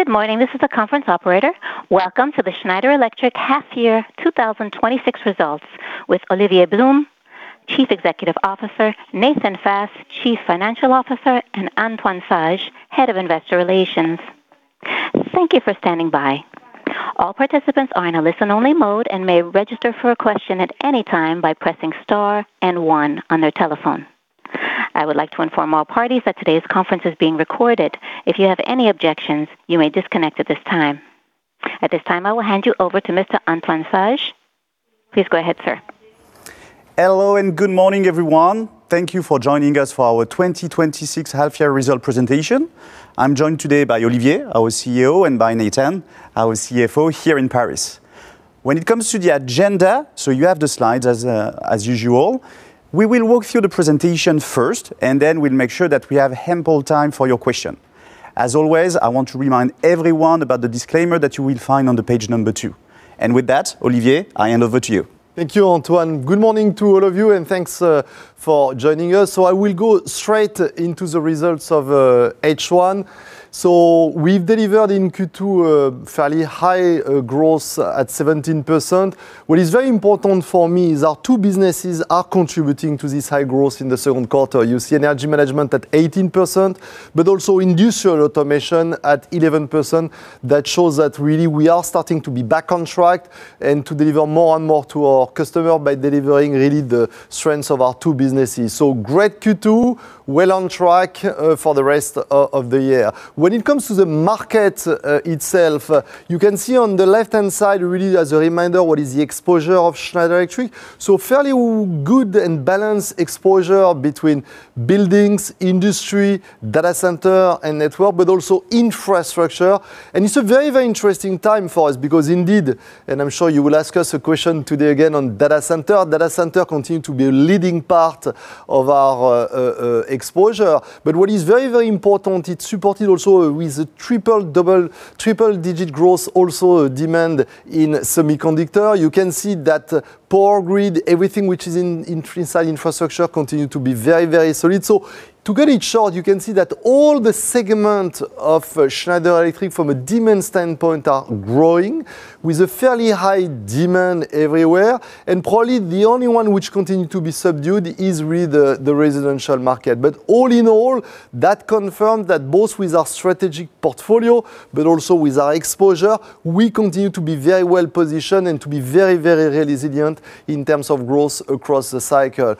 Good morning. This is the conference operator. Welcome to the Schneider Electric half-year 2026 results with Olivier Blum, Chief Executive Officer, Nathan Fast, Chief Financial Officer, and Antoine Sage, Head of Investor Relations. Thank you for standing by. All participants are in a listen-only mode and may register for a question at any time by pressing star and one on their telephone. I would like to inform all parties that today's conference is being recorded. If you have any objections, you may disconnect at this time. At this time, I will hand you over to Mr. Antoine Sage. Please go ahead, sir. Hello, good morning, everyone. Thank you for joining us for our 2026 half-year result presentation. I'm joined today by Olivier, our CEO, and by Nathan, our CFO here in Paris. When it comes to the agenda, you have the slides as usual. We will walk through the presentation first, then we'll make sure that we have ample time for your question. As always, I want to remind everyone about the disclaimer that you will find on the page number two. With that, Olivier, I hand over to you. Thank you, Antoine. Good morning to all of you, and thanks for joining us. I will go straight into the results of H1. We've delivered in Q2 a fairly high growth at 17%. What is very important for me is our two businesses are contributing to this high growth in the second quarter. You see energy management at 18%, but also industrial automation at 11%. That shows that we are starting to be back on track and to deliver more and more to our customer by delivering the strengths of our two businesses. Great Q2, well on track for the rest of the year. When it comes to the market itself, you can see on the left-hand side as a reminder, what is the exposure of Schneider Electric. Fairly good and balanced exposure between buildings, industry, data center and network, but also infrastructure. It's a very interesting time for us because indeed, I'm sure you will ask us a question today again on data center. Data center continue to be a leading part of our exposure. What is very important, it's supported also with a triple-digit growth also demand in semiconductor. You can see that power grid, everything which is inside infrastructure continue to be very solid. To cut it short, you can see that all the segment of Schneider Electric from a demand standpoint are growing with a fairly high demand everywhere, and probably the only one which continue to be subdued is really the residential market. All in all, that confirmed that both with our strategic portfolio, but also with our exposure, we continue to be very well positioned and to be very resilient in terms of growth across the cycle.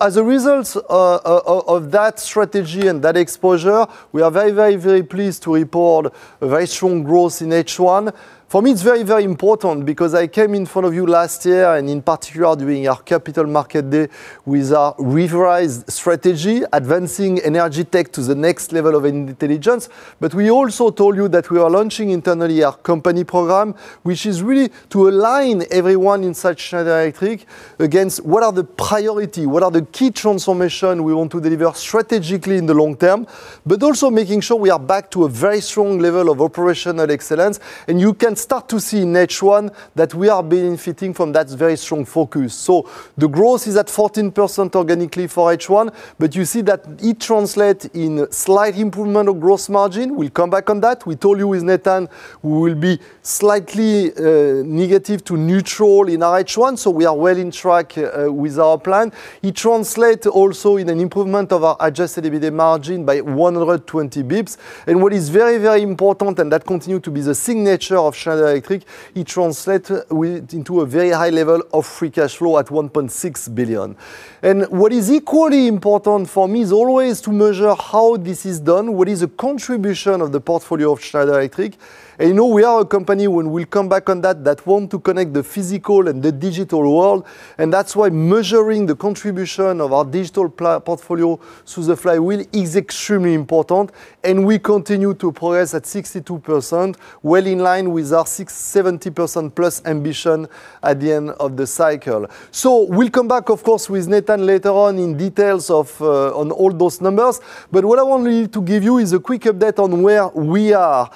As a result of that strategy and that exposure, we are very pleased to report very strong growth in H1. For me, it's very important because I came in front of you last year and in particular during our Capital Market Day with our revised strategy, advancing energy tech to the next level of intelligence. We also told you that we are launching internally our company program, which is really to align everyone inside Schneider Electric against what are the priority, what are the key transformation we want to deliver strategically in the long term, but also making sure we are back to a very strong level of operational excellence. You can start to see in H1 that we are benefiting from that very strong focus. The growth is at 14% organically for H1, but you see that it translate in slight improvement of gross margin. We'll come back on that. We told you with Nathan, we will be slightly negative to neutral in our H1. We are well in track with our plan. It translate also in an improvement of our adjusted EBITA margin by 120 basis points. What is very important, and that continue to be the signature of Schneider Electric, it translate into a very high level of free cash flow at 1.6 billion. What is equally important for me is always to measure how this is done, what is the contribution of the portfolio of Schneider Electric? You know we are a company, when we come back on that want to connect the physical and the digital world. That's why measuring the contribution of our digital portfolio through the Digital Flywheel is extremely important. We continue to progress at 62%, well in line with our 70%+ ambition at the end of the cycle. We'll come back, of course, with Nathan later on in details on all those numbers. What I want really to give you is a quick update on where we are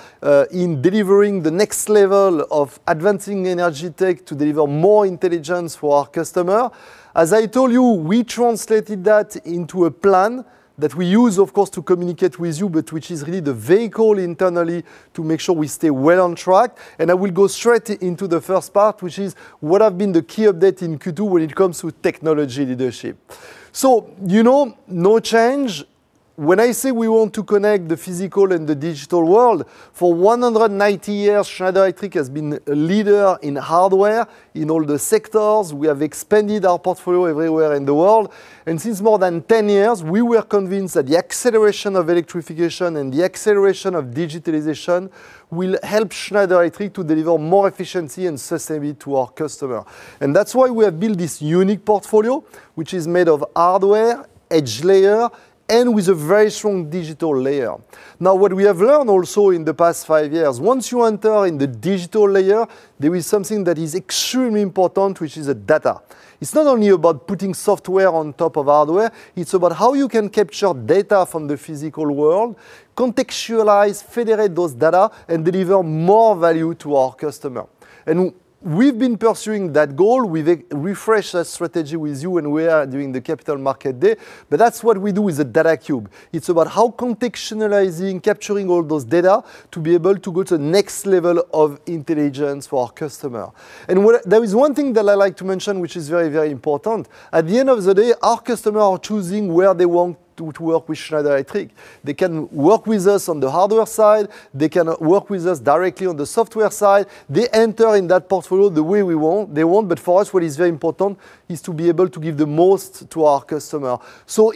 in delivering the next level of advancing energy tech to deliver more intelligence for our customer. As I told you, we translated that into a plan that we use, of course, to communicate with you, but which is really the vehicle internally to make sure we stay well on track. I will go straight into the first part, which is what have been the key update in Q2 when it comes to technology leadership. You know no change. When I say we want to connect the physical and the digital world, for 190 years, Schneider Electric has been a leader in hardware in all the sectors. We have expanded our portfolio everywhere in the world. Since more than 10 years, we were convinced that the acceleration of electrification and the acceleration of digitalization will help Schneider Electric to deliver more efficiency and sustainability to our customer. That's why we have built this unique portfolio, which is made of hardware, edge layer, and with a very strong digital layer. What we have learned also in the past five years, once you enter in the digital layer, there is something that is extremely important, which is the data. It's not only about putting software on top of hardware, it's about how you can capture data from the physical world, contextualize, federate those data, and deliver more value to our customer. We've been pursuing that goal with a refreshed strategy with you and we are doing the Capital Market Day, but that's what we do with the data cube. It's about how contextualizing, capturing all those data to be able to go to the next level of intelligence for our customer. There is one thing that I like to mention, which is very, very important. At the end of the day, our customer are choosing where they want to work with Schneider Electric. They can work with us on the hardware side. They can work with us directly on the software side. They enter in that portfolio the way they want, but for us, what is very important is to be able to give the most to our customer.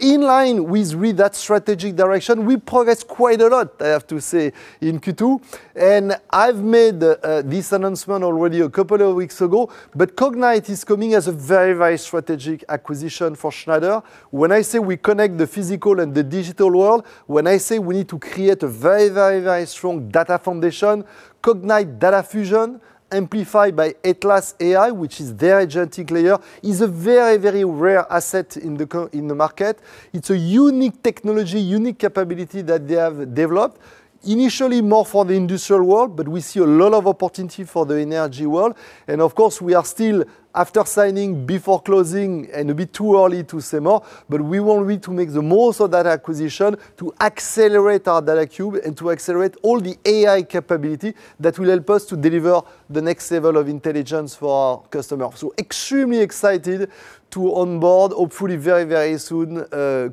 In line with that strategic direction, we progress quite a lot, I have to say, in Q2, I've made this announcement already a couple of weeks ago, but Cognite is coming as a very, very strategic acquisition for Schneider. When I say we connect the physical and the digital world, when I say we need to create a very, very, very strong data foundation, Cognite Data Fusion amplified by Atlas AI, which is their agentic layer, is a very, very rare asset in the market. It's a unique technology, unique capability that they have developed. Initially more for the industrial world, we see a lot of opportunity for the energy world. Of course, we are still after signing, before closing and a bit too early to say more, but we want really to make the most of that acquisition to accelerate our data cube and to accelerate all the AI capability that will help us to deliver the next level of intelligence for our customer. Extremely excited to onboard, hopefully very, very soon,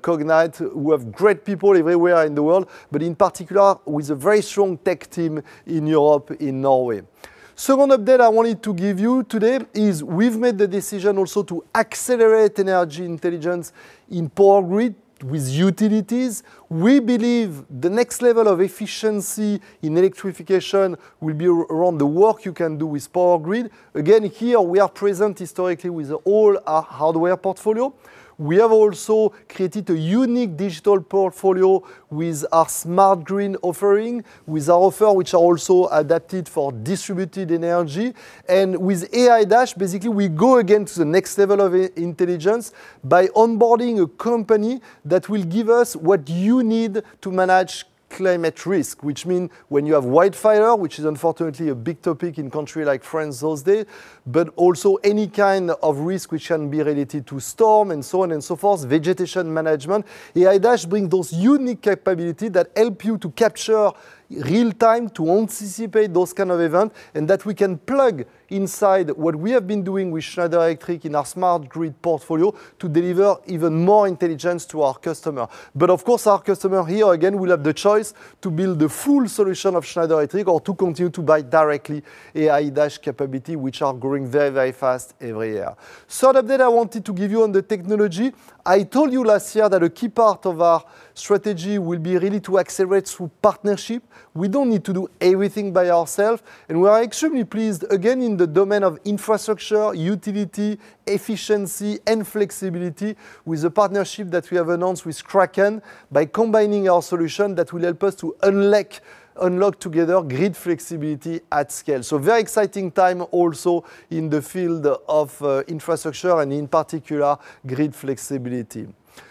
Cognite, who have great people everywhere in the world, but in particular with a very strong tech team in Europe, in Norway. Second update I wanted to give you today is we've made the decision also to accelerate energy intelligence in power grid with utilities. We believe the next level of efficiency in electrification will be around the work you can do with power grid. Again, here we are present historically with all our hardware portfolio. We have also created a unique digital portfolio with our smart, green offering, with our offer, which are also adapted for distributed energy. With AiDASH, basically, we go again to the next level of intelligence by onboarding a company that will give us what you need to manage climate risk, which mean when you have wildfire, which is unfortunately a big topic in country like France those days, but also any kind of risk which can be related to storm and so on and so forth, vegetation management. AiDASH bring those unique capability that help you to capture real-time to anticipate those kind of event, and that we can plug inside what we have been doing with Schneider Electric in our smart grid portfolio to deliver even more intelligence to our customer. Of course, our customer here again, will have the choice to build the full solution of Schneider Electric or to continue to buy directly AiDASH capability, which are growing very, very fast every year. Third update I wanted to give you on the technology. I told you last year that a key part of our strategy will be really to accelerate through partnership. We don't need to do everything by ourself, and we are extremely pleased, again, in the domain of infrastructure, utility, efficiency, and flexibility with a partnership that we have announced with Kraken by combining our solution that will help us to unlock together grid flexibility at scale. Very exciting time also in the field of infrastructure and in particular grid flexibility.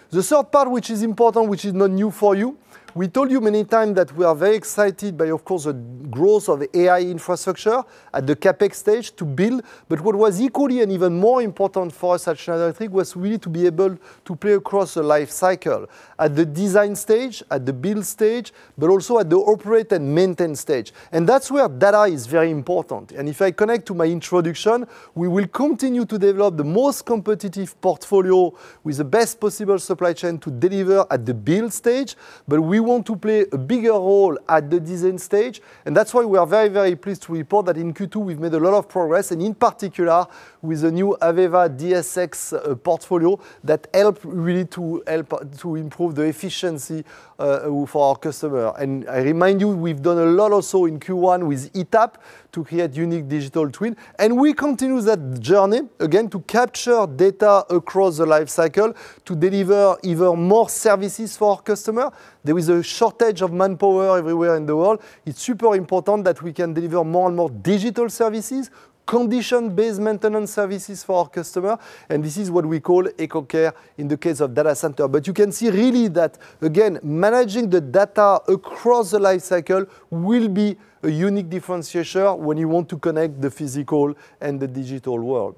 The third part, which is important, which is not new for you. We told you many times that we are very excited by, of course, the growth of AI infrastructure at the CapEx stage to build. What was equally and even more important for us at Schneider, I think was really to be able to play across the life cycle at the design stage, at the build stage, but also at the operate and maintain stage. That's where data is very important. If I connect to my introduction, we will continue to develop the most competitive portfolio with the best possible supply chain to deliver at the build stage. We want to play a bigger role at the design stage, and that's why we are very, very pleased to report that in Q2, we've made a lot of progress and in particular with the new AVEVA DSX portfolio that help really to improve the efficiency for our customer. I remind you, we've done a lot also in Q1 with ETAP to create unique digital twin, and we continue that journey again to capture data across the life cycle to deliver even more services for our customer. There is a shortage of manpower everywhere in the world. It's super important that we can deliver more and more digital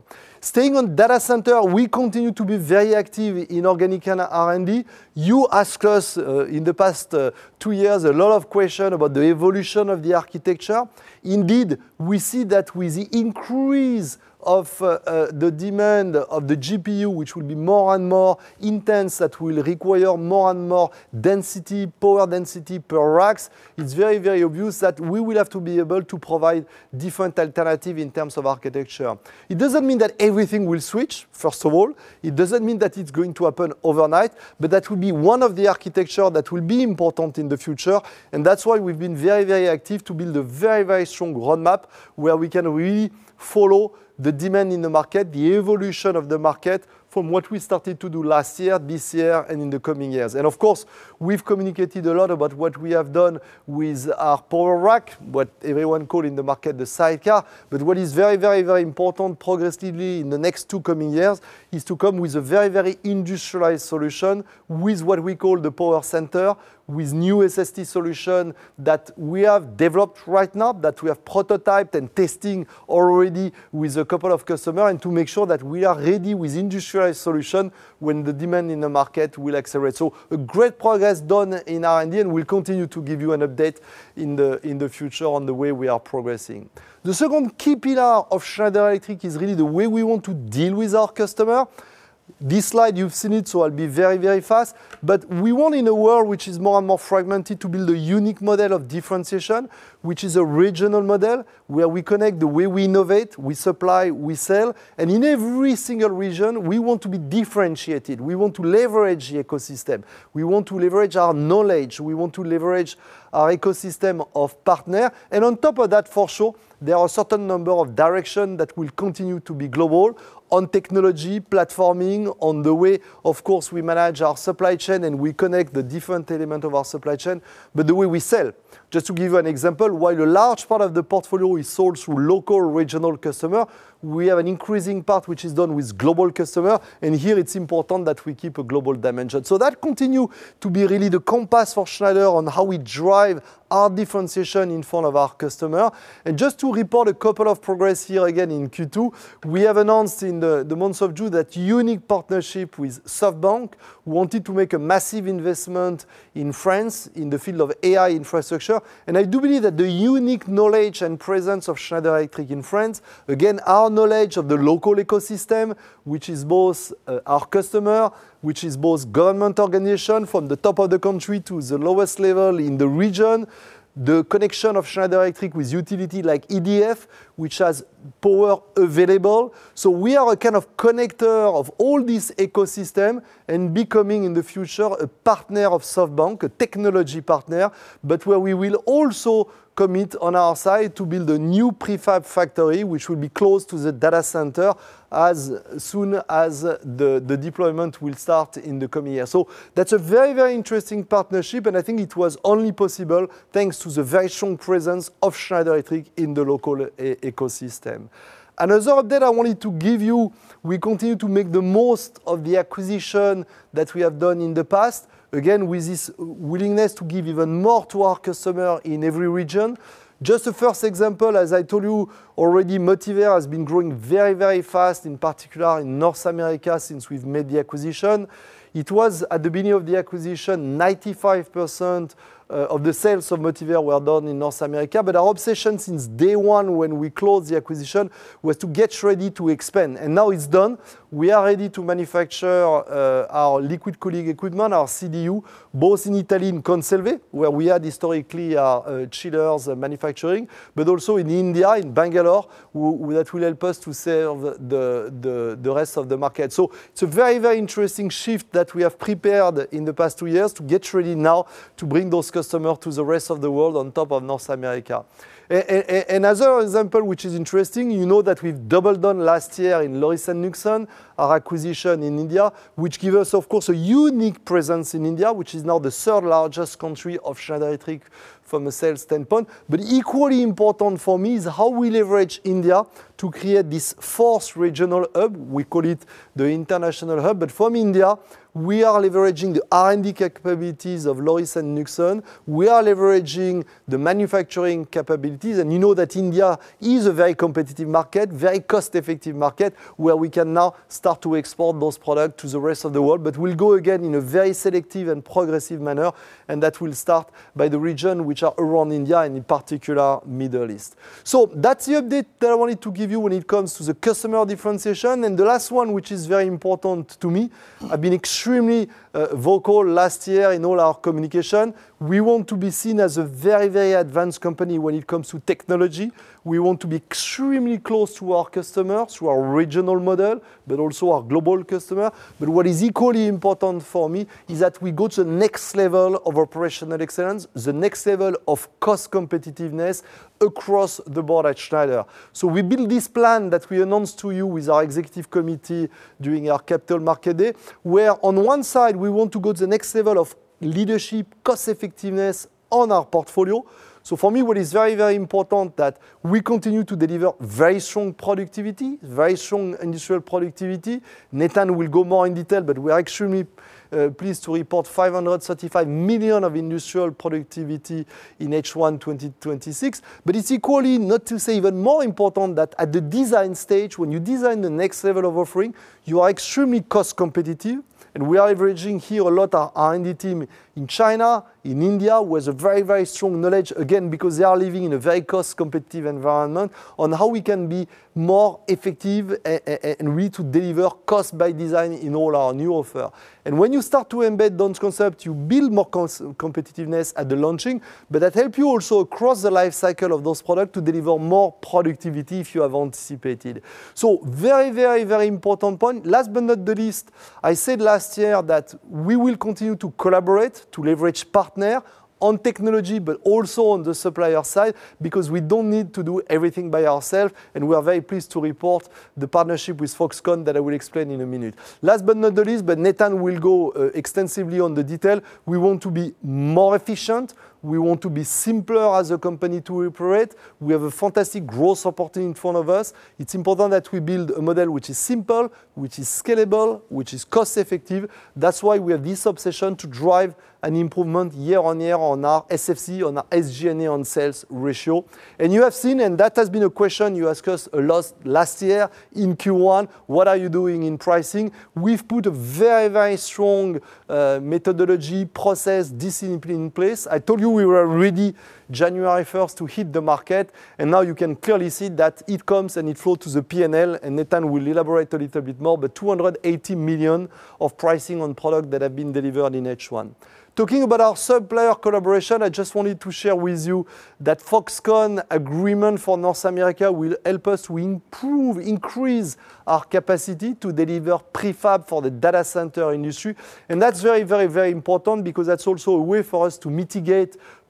increase of the demand of the GPU, which will be more and more intense, that will require more and more density, power density per racks. It's very, very obvious that we will have to be able to provide different alternative in terms of architecture. It doesn't mean that everything will switch, first of all. It doesn't mean that it's going to happen overnight, that will be one of the architecture that will be important in the future. That's why we've been very, very active to build a very, very strong roadmap where we can really follow the demand in the market, the evolution of the market from what we started to do last year, this year, and in the coming years. Of course, we've communicated a lot about what we have done with our power rack, what everyone call in the market the sidecar. What is very important progressively in the next two coming years is to come with a very industrialized solution with what we call the Power Center, with new SSD solution that we have developed right now, that we have prototyped and testing already with a couple of customer, and to make sure that we are ready with industrialized solution when the demand in the market will accelerate. A great progress done in R&D, and we'll continue to give you an update in the future on the way we are progressing. The second key pillar of Schneider Electric is really the way we want to deal with our customer. This slide, you've seen it, so I'll be very fast. We want, in a world which is more and more fragmented, to build a unique model of differentiation, which is a regional model where we connect the way we innovate, we supply, we sell. In every single region, we want to be differentiated. We want to leverage the ecosystem. We want to leverage our knowledge. We want to leverage our ecosystem of partners. On top of that, for sure, there are certain number of direction that will continue to be global on technology, platforming, on the way, of course, we manage our supply chain and we connect the different element of our supply chain, but the way we sell. Just to give an example, while a large part of the portfolio is sold through local regional customer, we have an increasing part which is done with global customer. Here it's important that we keep a global dimension. That continue to be really the compass for Schneider on how we drive our differentiation in front of our customer. Just to report a couple of progress here again in Q2, we have announced in the month of June that unique partnership with SoftBank, who wanted to make a massive investment in France in the field of AI infrastructure. I do believe that the unique knowledge and presence of Schneider Electric in France, again, our knowledge of the local ecosystem, which is both our customer, which is both government organization from the top of the country to the lowest level in the region, the connection of Schneider Electric with utility like EDF, which has power available. We are a kind of connector of all this ecosystem and becoming, in the future, a partner of SoftBank, a technology partner, but where we will also commit on our side to build a new prefab factory, which will be close to the data center as soon as the deployment will start in the coming year. That's a very interesting partnership, and I think it was only possible thanks to the very strong presence of Schneider Electric in the local ecosystem. Another update I wanted to give you, we continue to make the most of the acquisition that we have done in the past. Again, with this willingness to give even more to our customer in every region. Just a first example, as I told you already, Motivair has been growing very fast, in particular in North America, since we've made the acquisition. It was at the beginning of the acquisition, 95% of the sales of Motivair were done in North America. Our obsession since day one when we closed the acquisition was to get ready to expand. Now it's done. We are ready to manufacture our liquid cooling equipment, our CDU, both in Italy, in Conselve, where we had historically our chillers manufacturing, but also in India, in Bangalore, that will help us to sell the rest of the market. It's a very interesting shift that we have prepared in the past two years to get ready now to bring those customers to the rest of the world on top of North America. Another example which is interesting, you know that we've doubled down last year in Lauritz Knudsen, our acquisition in India, which give us, of course, a unique presence in India, which is now the third-largest country of Schneider Electric from a sales standpoint. Equally important for me is how we leverage India to create this fourth regional hub. We call it the international hub. From India, we are leveraging the R&D capabilities of Lauritz Knudsen. We are leveraging the manufacturing capabilities. You know that India is a very competitive market, very cost-effective market, where we can now start to export those products to the rest of the world. We'll go again in a very selective and progressive manner, and that will start by the region which are around India, and in particular, Middle East. That's the update that I wanted to give you when it comes to the customer differentiation. The last one, which is very important to me, I've been extremely vocal last year in all our communication. We want to be seen as a very advanced company when it comes to technology. We want to be extremely close to our customers through our regional model, but also our global customer. What is equally important for me is that we go to the next level of operational excellence, the next level of cost competitiveness across the board at Schneider. We build this plan that we announced to you with our executive committee during our Capital Market Day, where on one side, we want to go to the next level of leadership, cost effectiveness on our portfolio. For me, what is very important that we continue to deliver very strong productivity, very strong industrial productivity. Nathan will go more in detail, but we are extremely pleased to report 535 million of industrial productivity in H1 2026. It's equally, not to say even more important, that at the design stage, when you design the next level of offering, you are extremely cost competitive. We are averaging here a lot our R&D team in China, in India, with a very strong knowledge, again, because they we were ready January 1st to hit the market, and now you can clearly see that it comes and it flow to the P&L, and Nathan will elaborate a little bit more, but 280 million of pricing on product that have been delivered in H1. Talking about our supplier collaboration, I just wanted to share with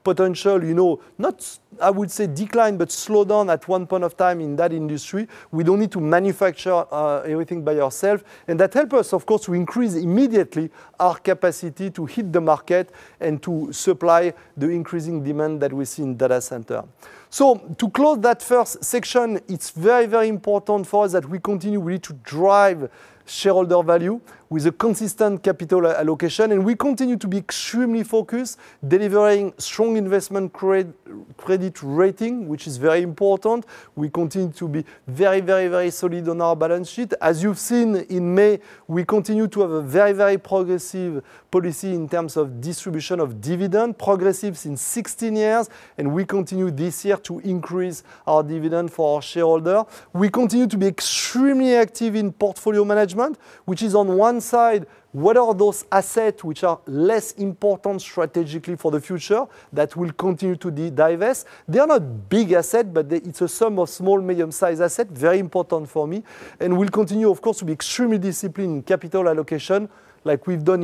you that Foxconn agreement for North America will help us to improve, increase our capacity to deliver prefab for the data center industry. That's very important because that's also a way for us to mitigate potential, not I would say decline, but slow down at one point of time in that industry. We don't need to manufacture everything by ourself, that help us, of course, to increase immediately our capacity to hit the market and to supply the increasing demand that we see in data center. To close that first section, it's very important for us that we continue really to drive shareholder value with a consistent capital allocation, and we continue to be extremely focused, delivering strong investment credit rating, which is very important. We continue to be very solid on our balance sheet. As you've seen in May, we continue to have a very progressive policy in terms of distribution of dividend, progressive since 16 years, and we continue this year to increase our dividend for our shareholder. We continue to be extremely active in portfolio management, which is on one side, what are those assets which are less important strategically for the future that we'll continue to divest? They are not big asset, but it's a sum of small, medium-sized asset, very important for me. We'll continue, of course, to be extremely disciplined in capital allocation like we've done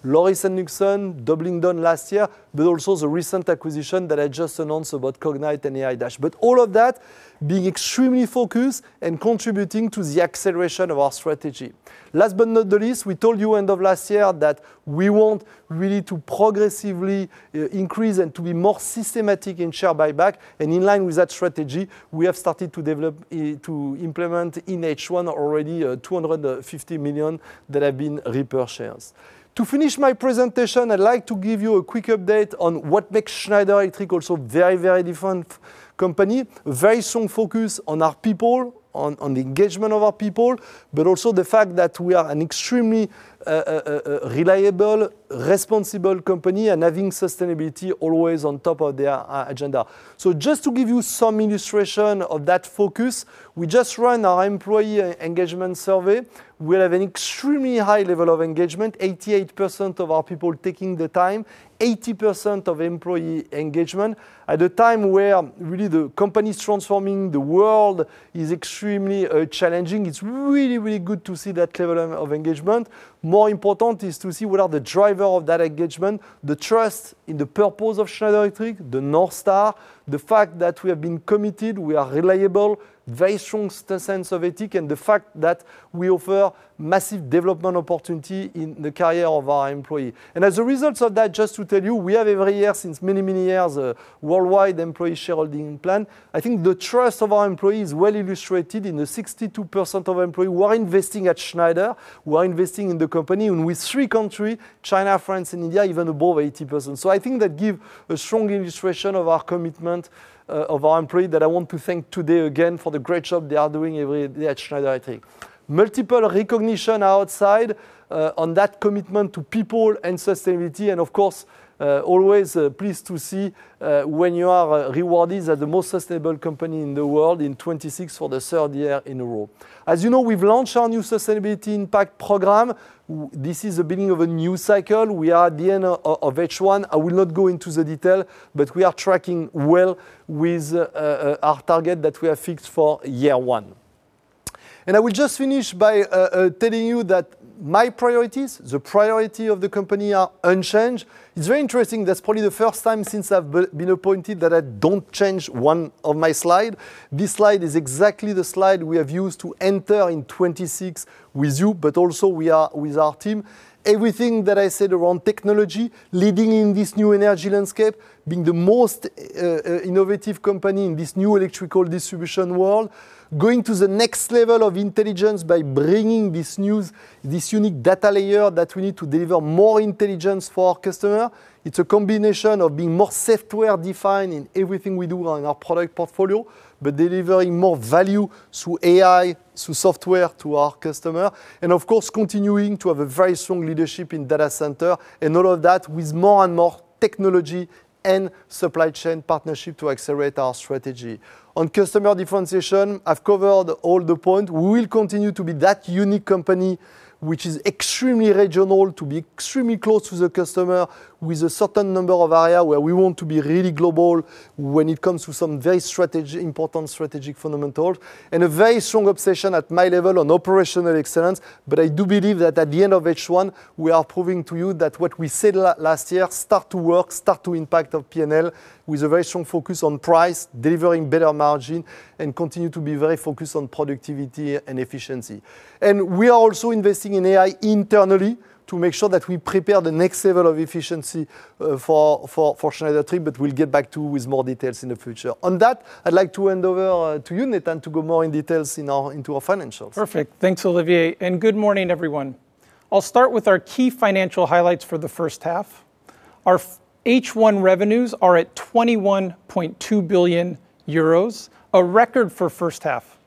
in Motivair, Lauritz Knudsen, doubling down last year, but also the recent acquisition that I just announced about Cognite and AiDASH. All of that being extremely focused and contributing to the acceleration of our strategy. Last but not the least, we told you end of last year that we want really to progressively increase and to be more systematic in share buyback. In line with that strategy, we have started to implement in H1 already, 250 million that have been repurchase shares. To finish my presentation, I'd like to give you a quick update on what makes Schneider Electric also very different company, very strong focus on our people, on engagement of our people, but also the fact that we are an extremely reliable, responsible company and having sustainability always on top of the agenda. Just to give you some illustration of that focus, we just ran our employee engagement survey. We have an extremely high level of engagement, 88% of our people taking the time, 80% of employee engagement. At a time where really the company's transforming the world is extremely challenging. It's really good to see that level of engagement. More important is to see what are the driver of that engagement, the trust in the purpose of Schneider Electric, the North Star, the fact that we have been committed, we are reliable, very strong sense of ethic, and the fact that we offer massive development opportunity in the career of our employee. As a result of that, just to tell you, we have every year since many years, a worldwide employee shareholding plan. I think the trust of our employee is well illustrated in the 62% of employee who are investing at Schneider, who are investing in the company. With three country, China, France, and India, even above 80%. I think that give a strong illustration of our commitment of our employee that I want to thank today again for the great job they are doing every day at Schneider Electric. Multiple recognition outside on that commitment to people and sustainability, of course, always pleased to see when you are rewarded as the most sustainable company in the world in 2026 for the third year in a row. As you know, we've launched our new Sustainability Impact Program. This is the beginning of a new cycle. We are at the end of H1. I will not go into the detail, but we are tracking well with our target that we have fixed for year one. I will just finish by telling you that my priorities, the priority of the company are unchanged. It's very interesting, that's probably the first time since I've been appointed that I don't change one of my slide. This slide is exactly the slide we have used to enter in 2026 with you, but also with our team. Everything that I said around technology, leading in this new energy landscape, being the most innovative company in this new electrical distribution world, going to the next level of intelligence by bringing this unique data layer that we need to deliver more intelligence for our customer. It's a combination of being more software-defined in everything we do on our product portfolio, but delivering more value through AI, through software to our customer, of course, continuing to have a very strong leadership in data center. All of that with more and more technology and supply chain partnership to accelerate our strategy. On customer differentiation, I've covered all the point. We will continue to be that unique company, which is extremely regional, to be extremely close to the customer with a certain number of area where we want to be really global when it comes to some very important strategic fundamental and a very strong obsession at my level on operational excellence. I do believe that at the end of H1, we are proving to you that what we said last year start to work, start to impact our P&L with a very strong focus on price, delivering better margin, and continue to be very focused on productivity and efficiency. We are also investing in AI internally to make sure that we prepare the next level of efficiency for Schneider team. We'll get back to with more details in the future. On that, I'd like to hand over to Nathan to go more in details into our financials. Perfect. Thanks, Olivier, and good morning, everyone. I'll start with our key financial highlights for the first half. Our H1 revenues are at 21.2 billion euros, a record for first half.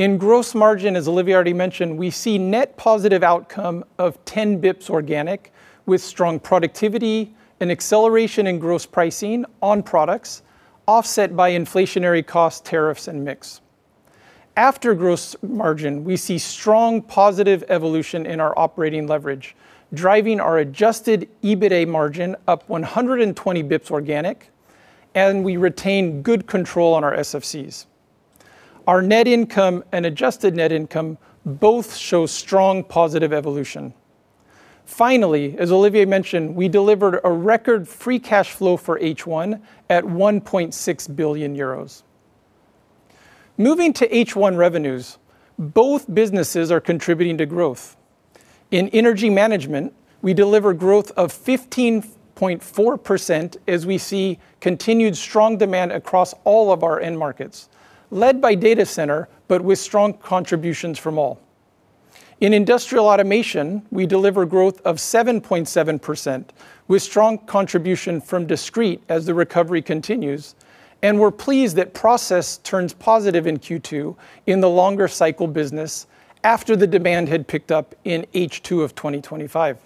In gross margin, as Olivier already mentioned, we see net positive outcome of 10 basis points organic with strong productivity and acceleration in gross pricing on products, offset by inflationary cost tariffs and mix. After gross margin, we see strong positive evolution in our operating leverage, driving our adjusted EBITA margin up 120 basis points organic, and we retain good control on our SFCs. Our net income and adjusted net income both show strong positive evolution. Finally, as Olivier mentioned, we delivered a record free cash flow for H1 at 1.6 billion euros. Moving to H1 revenues, both businesses are contributing to growth. In Energy Management, we deliver growth of 15.4% as we see continued strong demand across all of our end markets, led by data center, but with strong contributions from all. In Industrial Automation, we deliver growth of 7.7% with strong contribution from discrete as the recovery continues, and we're pleased that process turns positive in Q2 in the longer cycle business after the demand had picked up in H2 of 2025.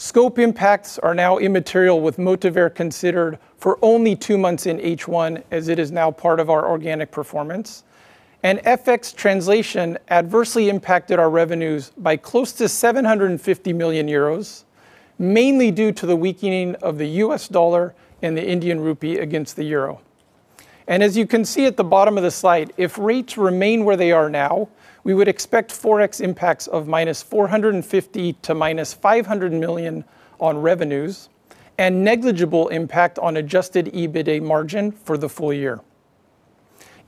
Scope impacts are now immaterial, with Motivair considered for only two months in H1, as it is now part of our organic performance. FX translation adversely impacted our revenues by close to 750 million euros, mainly due to the weakening of the US dollar and the Indian rupee against the euro. As you can see at the bottom of the slide, if rates remain where they are now, we would expect Forex impacts of -450 million to -500 million on revenues and negligible impact on adjusted EBITA margin for the full-year.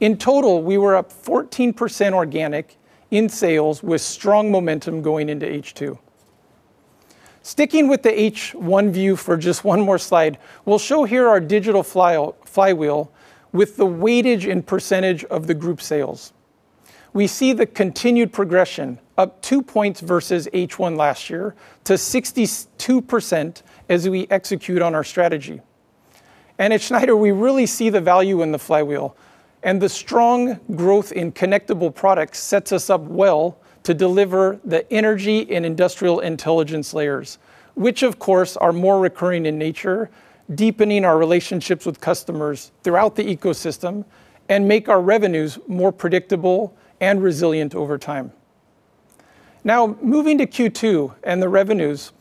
In total, we were up 14% organic in sales with strong momentum going into H2. Sticking with the H1 view for just one more slide, we will show here our Digital Flywheel with the weightage and percentage of the group sales. We see the continued progression up two points versus H1 last year to 62% as we execute on our strategy. At Schneider, we really see the value in the flywheel and the strong growth in connectable products sets us up well to deliver the energy and industrial intelligence layers, which of course, are more recurring in nature, deepening our relationships with customers throughout the ecosystem and make our revenues more predictable and resilient over time. Moving to Q2 and the revenues.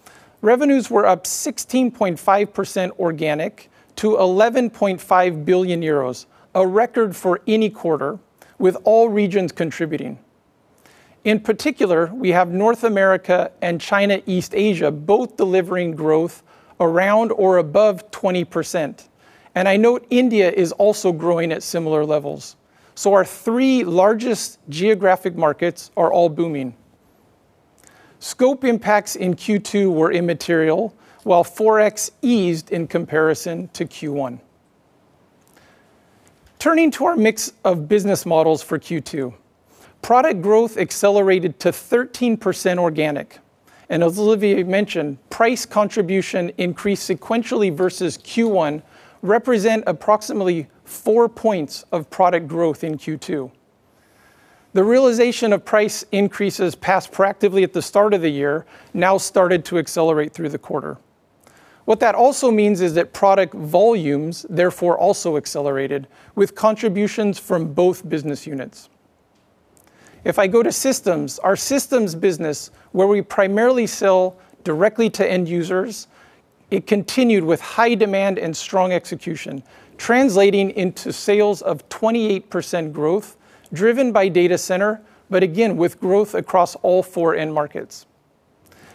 Revenues were up 16.5% organic to 11.5 billion euros, a record for any quarter with all regions contributing. In particular, we have North America and China, East Asia, both delivering growth around or above 20%. I note India is also growing at similar levels. Our three largest geographic markets are all booming. Scope impacts in Q2 were immaterial, while Forex eased in comparison to Q1. Turning to our mix of business models for Q2, product growth accelerated to 13% organic. As Olivier mentioned, price contribution increased sequentially versus Q1 represent approximately four points of product growth in Q2. The realization of price increases passed proactively at the start of the year now started to accelerate through the quarter. What that also means is that product volumes therefore also accelerated with contributions from both business units. If I go to systems, our systems business, where we primarily sell directly to end users, it continued with high demand and strong execution, translating into sales of 28% growth driven by data center, but again, with growth across all four end markets.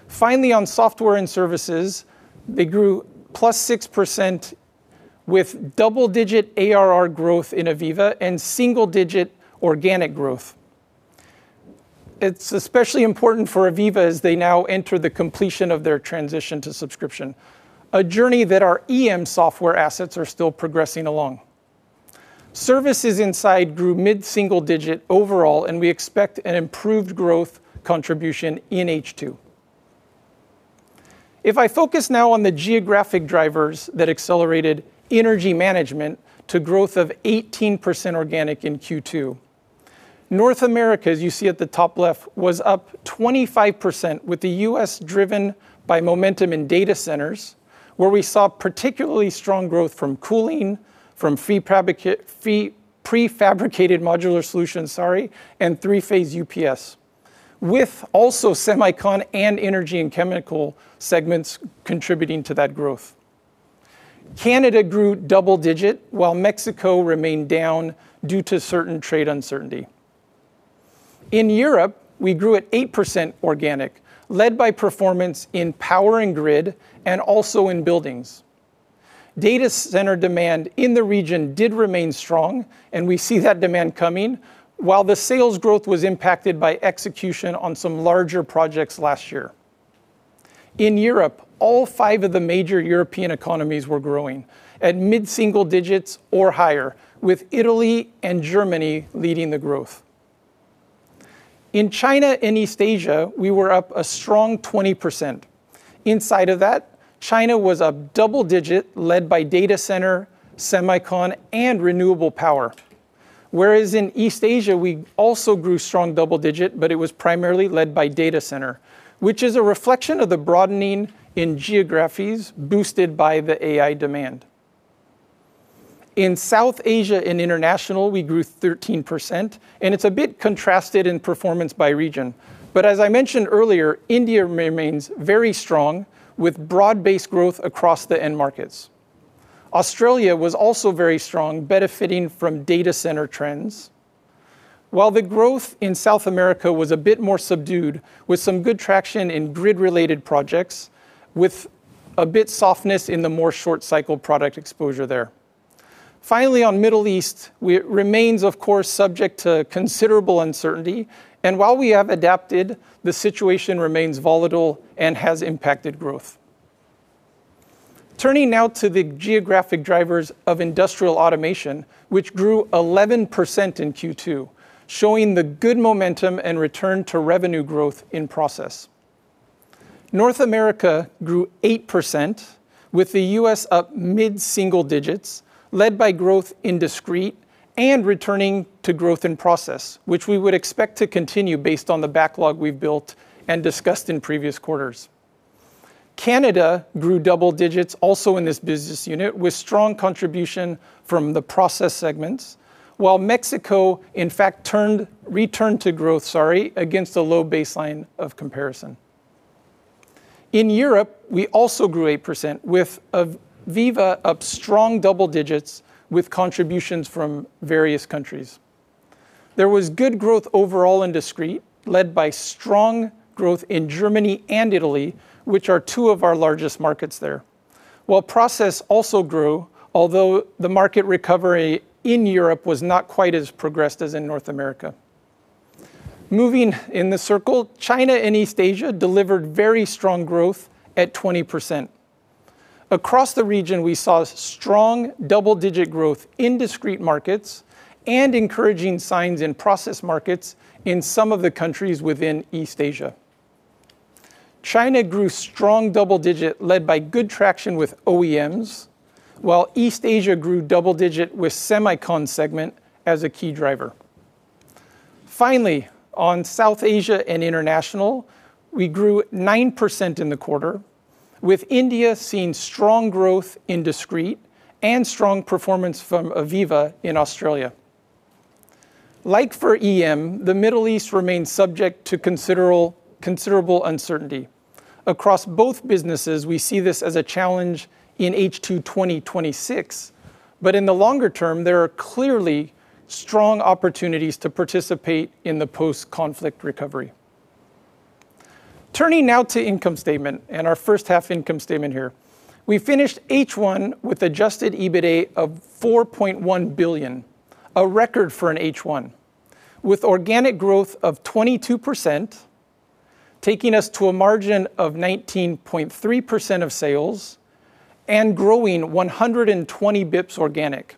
Finally, on software and services, they grew +6% with double-digit ARR growth in AVEVA and single-digit organic growth. It is especially important for AVEVA as they now enter the completion of their transition to subscription, a journey that our EM software assets are still progressing along. Services inside grew mid-single digit overall. We expect an improved growth contribution in H2. If I focus now on the geographic drivers that accelerated energy management to growth of 18% organic in Q2. North America, as you see at the top left, was up 25% with the U.S. driven by momentum in data centers, where we saw particularly strong growth from cooling, from prefabricated modular solutions, and three-phase UPS, with also semicon and energy and chemical segments contributing to that growth. Canada grew double digit while Mexico remained down due to certain trade uncertainty. Europe, we grew at 8% organic, led by performance in power and grid and also in buildings. Data center demand in the region did remain strong. We see that demand coming while the sales growth was impacted by execution on some larger projects last year. In Europe, all five of the major European economies were growing at mid-single digits or higher, with Italy and Germany leading the growth. In China and East Asia, we were up a strong 20%. Inside of that, China was a double digit led by data center, semicon, and renewable power. In East Asia, we also grew strong double digit, but it was primarily led by data center, which is a reflection of the broadening in geographies boosted by the AI demand. In South Asia and international, we grew 13%. It's a bit contrasted in performance by region. As I mentioned earlier, India remains very strong with broad-based growth across the end markets. Australia was also very strong, benefiting from data center trends. The growth in South America was a bit more subdued, with some good traction in grid-related projects, with a bit softness in the more short-cycle product exposure there. Finally, on Middle East, it remains, of course, subject to considerable uncertainty. While we have adapted, the situation remains volatile and has impacted growth. Turning now to the geographic drivers of industrial automation, which grew 11% in Q2, showing the good momentum and return to revenue growth in process. North America grew 8%, with the U.S. up mid-single digits, led by growth in discrete and returning to growth in process, which we would expect to continue based on the backlog we've built and discussed in previous quarters. Canada grew double digits also in this business unit, with strong contribution from the process segments. Mexico, in fact, returned to growth, sorry, against a low baseline of comparison. In Europe, we also grew 8%, with AVEVA up strong double digits with contributions from various countries. There was good growth overall in discrete, led by strong growth in Germany and Italy, which are two of our largest markets there. Process also grew, although the market recovery in Europe was not quite as progressed as in North America. Moving in the circle, China and East Asia delivered very strong growth at 20%. Across the region, we saw strong double-digit growth in discrete markets and encouraging signs in process markets in some of the countries within East Asia. China grew strong double digit led by good traction with OEMs. East Asia grew double digit with semicon segment as a key driver. Finally, on South Asia and international, we grew 9% in the quarter, with India seeing strong growth in discrete and strong performance from AVEVA in Australia. Like for EM, the Middle East remains subject to considerable uncertainty. Across both businesses, we see this as a challenge in H2 2026. In the longer term, there are clearly strong opportunities to participate in the post-conflict recovery. Turning now to income statement and our first half income statement here. We finished H1 with adjusted EBITA of 4.1 billion, a record for an H1, with organic growth of 22%, taking us to a margin of 19.3% of sales and growing 120 basis points organic.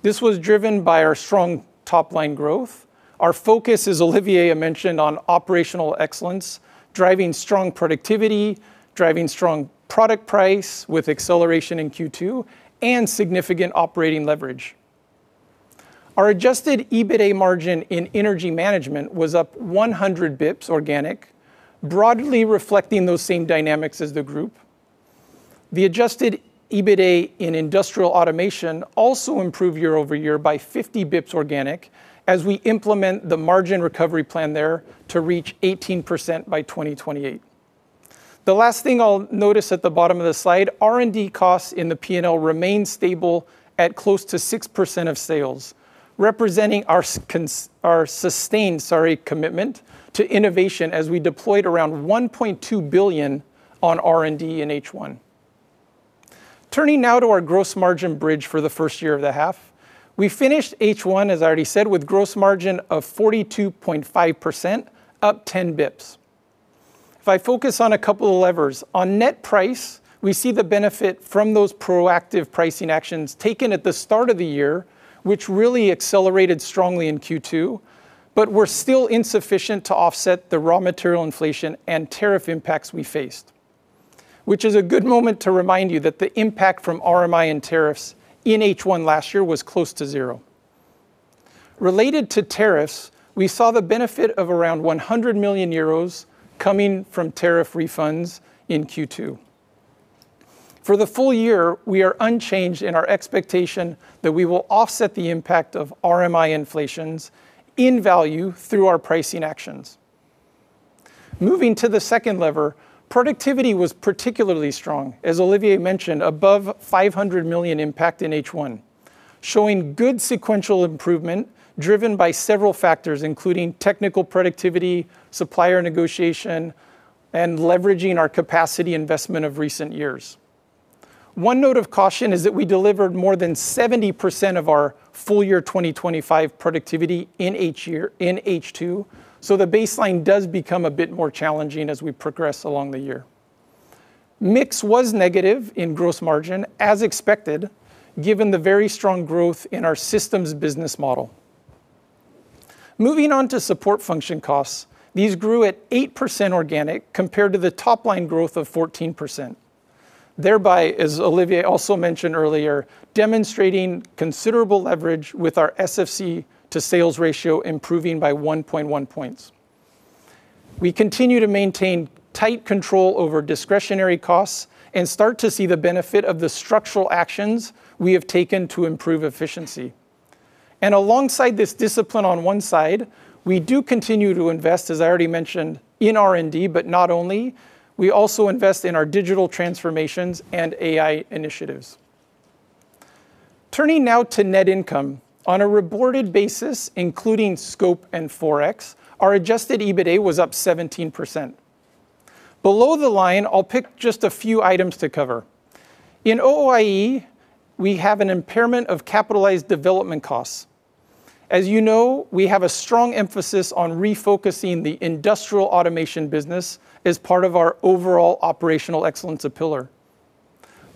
This was driven by our strong top-line growth. Our focus, as Olivier mentioned, on operational excellence, driving strong productivity, driving strong product price with acceleration in Q2, and significant operating leverage. Our adjusted EBITA margin in energy management was up 100 basis points organic, broadly reflecting those same dynamics as the group. The adjusted EBITA in industrial automation also improved year-over-year by 50 basis points organic as we implement the margin recovery plan there to reach 18% by 2028. The last thing I'll notice at the bottom of the slide, R&D costs in the P&L remain stable at close to 6% of sales, representing our sustained, sorry, commitment to innovation as we deployed around 1.2 billion on R&D in H1. Turning now to our gross margin bridge for the first year of the half. We finished H1, as I already said, with gross margin of 42.5%, up 10 basis points. If I focus on a couple of levers, on net price, we see the benefit from those proactive pricing actions taken at the start of the year, which really accelerated strongly in Q2, but were still insufficient to offset the raw material inflation and tariff impacts we faced. Which is a good moment to remind you that the impact from RMI and tariffs in H1 last year was close to zero. Related to tariffs, we saw the benefit of around 100 million euros coming from tariff refunds in Q2. For the full-year, we are unchanged in our expectation that we will offset the impact of RMI inflations in value through our pricing actions. Moving to the second lever, productivity was particularly strong, as Olivier mentioned, above 500 million impact in H1, showing good sequential improvement driven by several factors, including technical productivity, supplier negotiation, and leveraging our capacity investment of recent years. One note of caution is that we delivered more than 70% of our full-year 2025 productivity in H2. The baseline does become a bit more challenging as we progress along the year. Mix was negative in gross margin as expected, given the very strong growth in our systems business model. Moving on to support function costs. These grew at 8% organic compared to the top-line growth of 14%. Thereby, as Olivier also mentioned earlier, demonstrating considerable leverage with our SFC to sales ratio improving by 1.1 points. We continue to maintain tight control over discretionary costs and start to see the benefit of the structural actions we have taken to improve efficiency. Alongside this discipline on one side, we do continue to invest, as I already mentioned, in R&D, but not only. We also invest in our digital transformations and AI initiatives. Turning now to net income. On a reported basis, including scope and Forex, our adjusted EBITA was up 17%. Below the line, I'll pick just a few items to cover. In OIE, we have an impairment of capitalized development costs. As you know, we have a strong emphasis on refocusing the industrial automation business as part of our overall operational excellence pillar.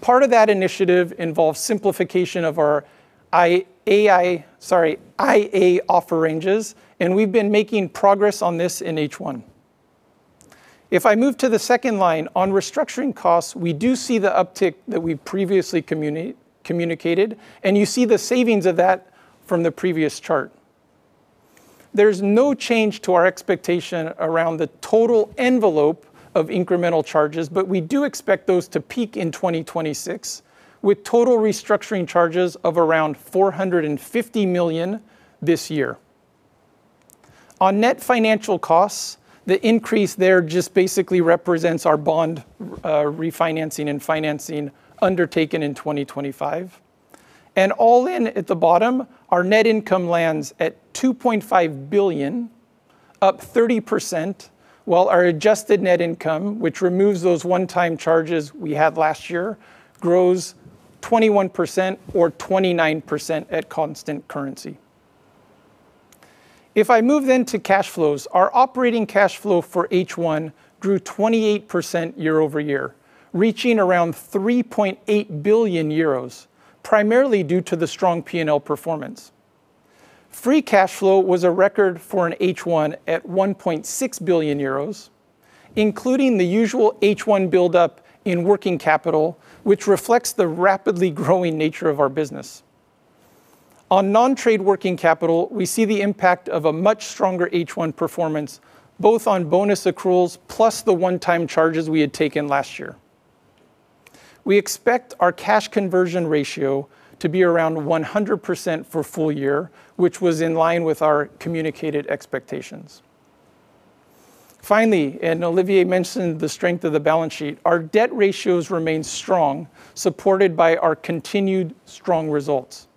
Part of that initiative involves simplification of our IA offer ranges, and we've been making progress on this in H1. If I move to the second line on restructuring costs, we do see the uptick that we've previously communicated, and you see the savings of that from the previous chart. There's no change to our expectation around the total envelope of incremental charges, but we do expect those to peak in 2026, with total restructuring charges of around 450 million this year. On net financial costs, the increase there just basically represents our bond refinancing and financing undertaken in 2025. All in at the bottom, our net income lands at 2.5 billion, up 30%, while our adjusted net income, which removes those one-time charges we had last year, grows 21%, or 29% at constant currency. Our operating cash flow for H1 grew 28% year-over-year, reaching around 3.8 billion euros, primarily due to the strong P&L performance. Free cash flow was a record for an H1 at 1.6 billion euros, including the usual H1 buildup in working capital, which reflects the rapidly growing nature of our business. On non-trade working capital, we see the impact of a much stronger H1 performance, both on bonus accruals plus the one-time charges we had taken last year. We expect our cash conversion ratio to be around 100% for full-year, which was in line with our communicated expectations. Finally, Olivier mentioned the strength of the balance sheet, our debt ratios remain strong, supported by our continued strong results.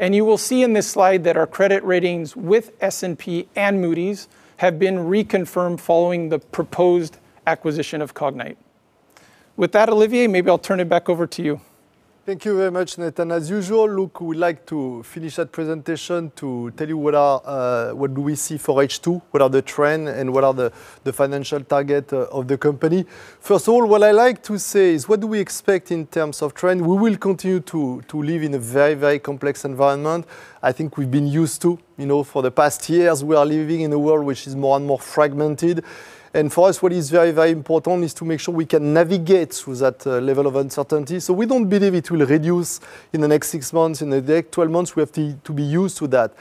You will see in this slide that our credit ratings with S&P and Moody's have been reconfirmed following the proposed acquisition of Cognite. With that, Olivier, maybe I'll turn it back over to you. Thank you very much, Nathan. As usual, we'd like to finish that presentation to tell you what do we see for H2, what are the trend, and what are the financial target of the company. First of all, what I like to say is what do we expect in terms of trend? We will continue to live in a very complex environment. I think we've been used to for the past years, we are living in a world which is more and more fragmented. For us, what is very important is to make sure we can navigate through that level of uncertainty. We don't believe it will reduce in the next six months, in the next 12 months. We have to be used to that.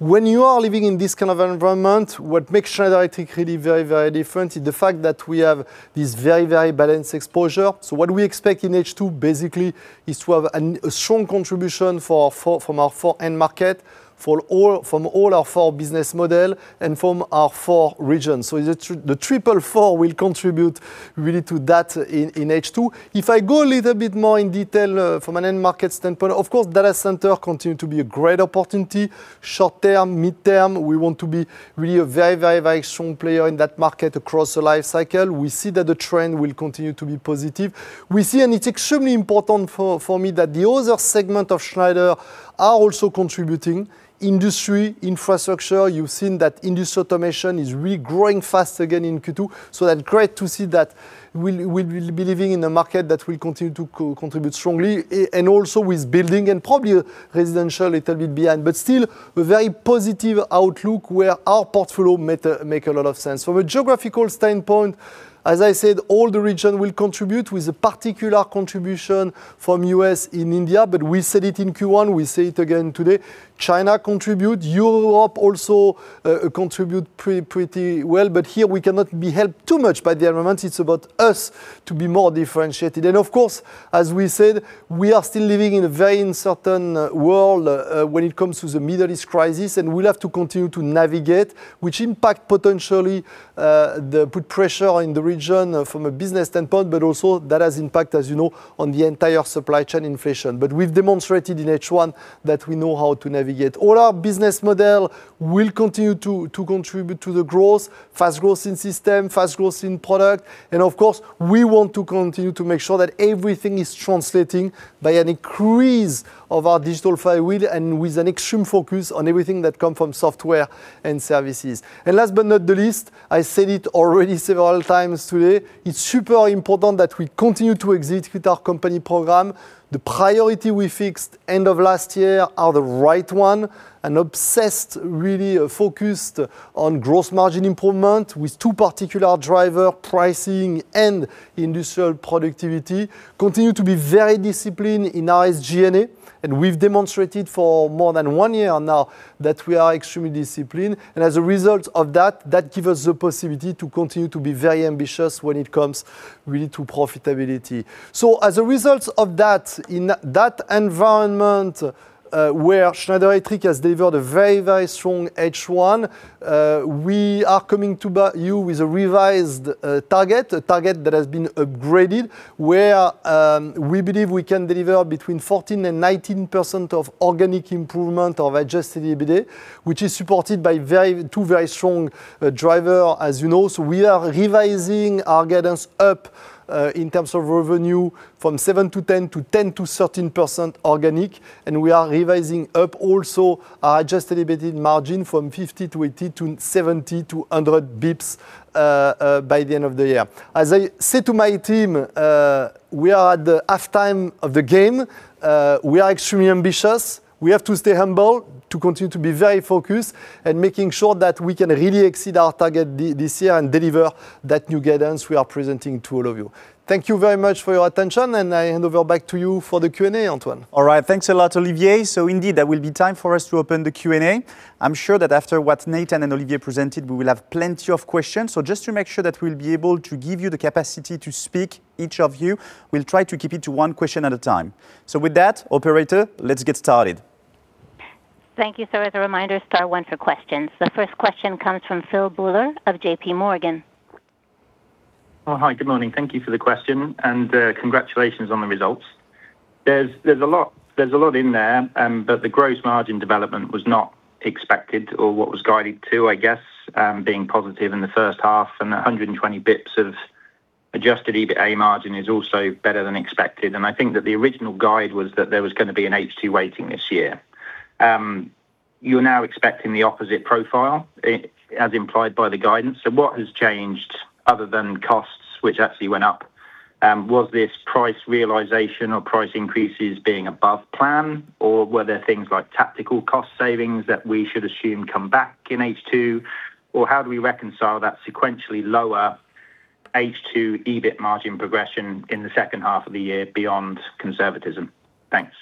When you are living in this kind of environment, what makes Schneider Electric really very different is the fact that we have this very balanced exposure. What we expect in H2 basically is to have a strong contribution from our four end market, from all our four business model and from our four regions. The triple four will contribute really to that in H2. From an end market standpoint, of course, data center continue to be a great opportunity. Short-term, mid-term, we want to be really a very strong player in that market across the life cycle. We see that the trend will continue to be positive. We see, and it's extremely important for me that the other segment of Schneider are also contributing. Industry, infrastructure, you've seen that industry automation is really growing fast again in Q2. That great to see that we'll be living in a market that will continue to contribute strongly, and also with building and probably residential a little bit behind, but still very positive outlook where our portfolio make a lot of sense. From a geographical standpoint, as I said, all the region will contribute with a particular contribution from U.S. and India. We said it in Q1, we say it again today, China contribute, Europe also contribute pretty well. Here we cannot be helped too much by the elements. It's about us to be more differentiated. Of course, as we said, we are still living in a very uncertain world when it comes to the Middle East crisis. We'll have to continue to navigate, which impact potentially put pressure in the region from a business standpoint, also that has impact, as you know, on the entire supply chain inflation. We've demonstrated in H1 that we know how to navigate. All our business model will continue to contribute to the growth, fast growth in system, fast growth in product. With an extreme focus on everything that comes from software and services, we want to continue to make sure that everything is translating by an increase of our Digital Flywheel. Last but not the least, I said it already several times today, it's super important that we continue to execute our company program. The priority we fixed end of last year are the right one. Obsessed, really focused on gross margin improvement with two particular driver, pricing and industrial productivity. We continue to be very disciplined in our SG&A. We've demonstrated for more than one year now that we are extremely disciplined. As a result of that give us the possibility to continue to be very ambitious when it comes really to profitability. As a result of that, in that environment, where Schneider Electric has delivered a very, very strong H1, we are coming to you with a revised Thank you, sir. As a reminder, star one for questions. The first question comes from Phil Buller of JPMorgan. Oh, hi. Good morning. Thank you for the question, and congratulations on the results. There is a lot in there, but the gross margin development was not expected or what was guided to, I guess, being positive in the first half and 120 basis points of adjusted EBITA margin is also better than expected. I think that the original guide was that there was going to be an H2 weighting this year. You are now expecting the opposite profile, as implied by the guidance. What has changed, other than costs, which actually went up? Was this price realization or price increases being above plan, or were there things like tactical cost savings that we should assume come back in H2? How do we reconcile that sequentially lower H2 EBIT margin progression in the second half of the year beyond conservatism? Thanks.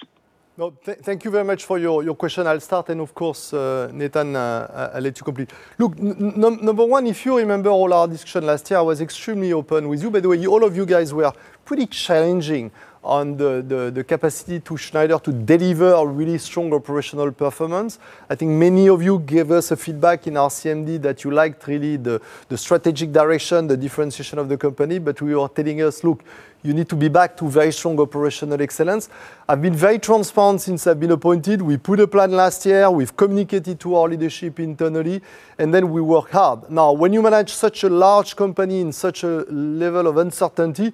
No, thank you very much for your question. I will start and, of course, Nathan, I will let you complete. Look, number one, if you remember all our discussion last year, I was extremely open with you. By the way, all of you guys were pretty challenging on the capacity to Schneider to deliver a really strong operational performance. I think many of you gave us a feedback in our CMD that you liked really the strategic direction, the differentiation of the company, but you were telling us, "Look, you need to be back to very strong operational excellence." I have been very transparent since I have been appointed. We put a plan last year. We have communicated to our leadership internally, we work hard. When you manage such a large company in such a level of uncertainty,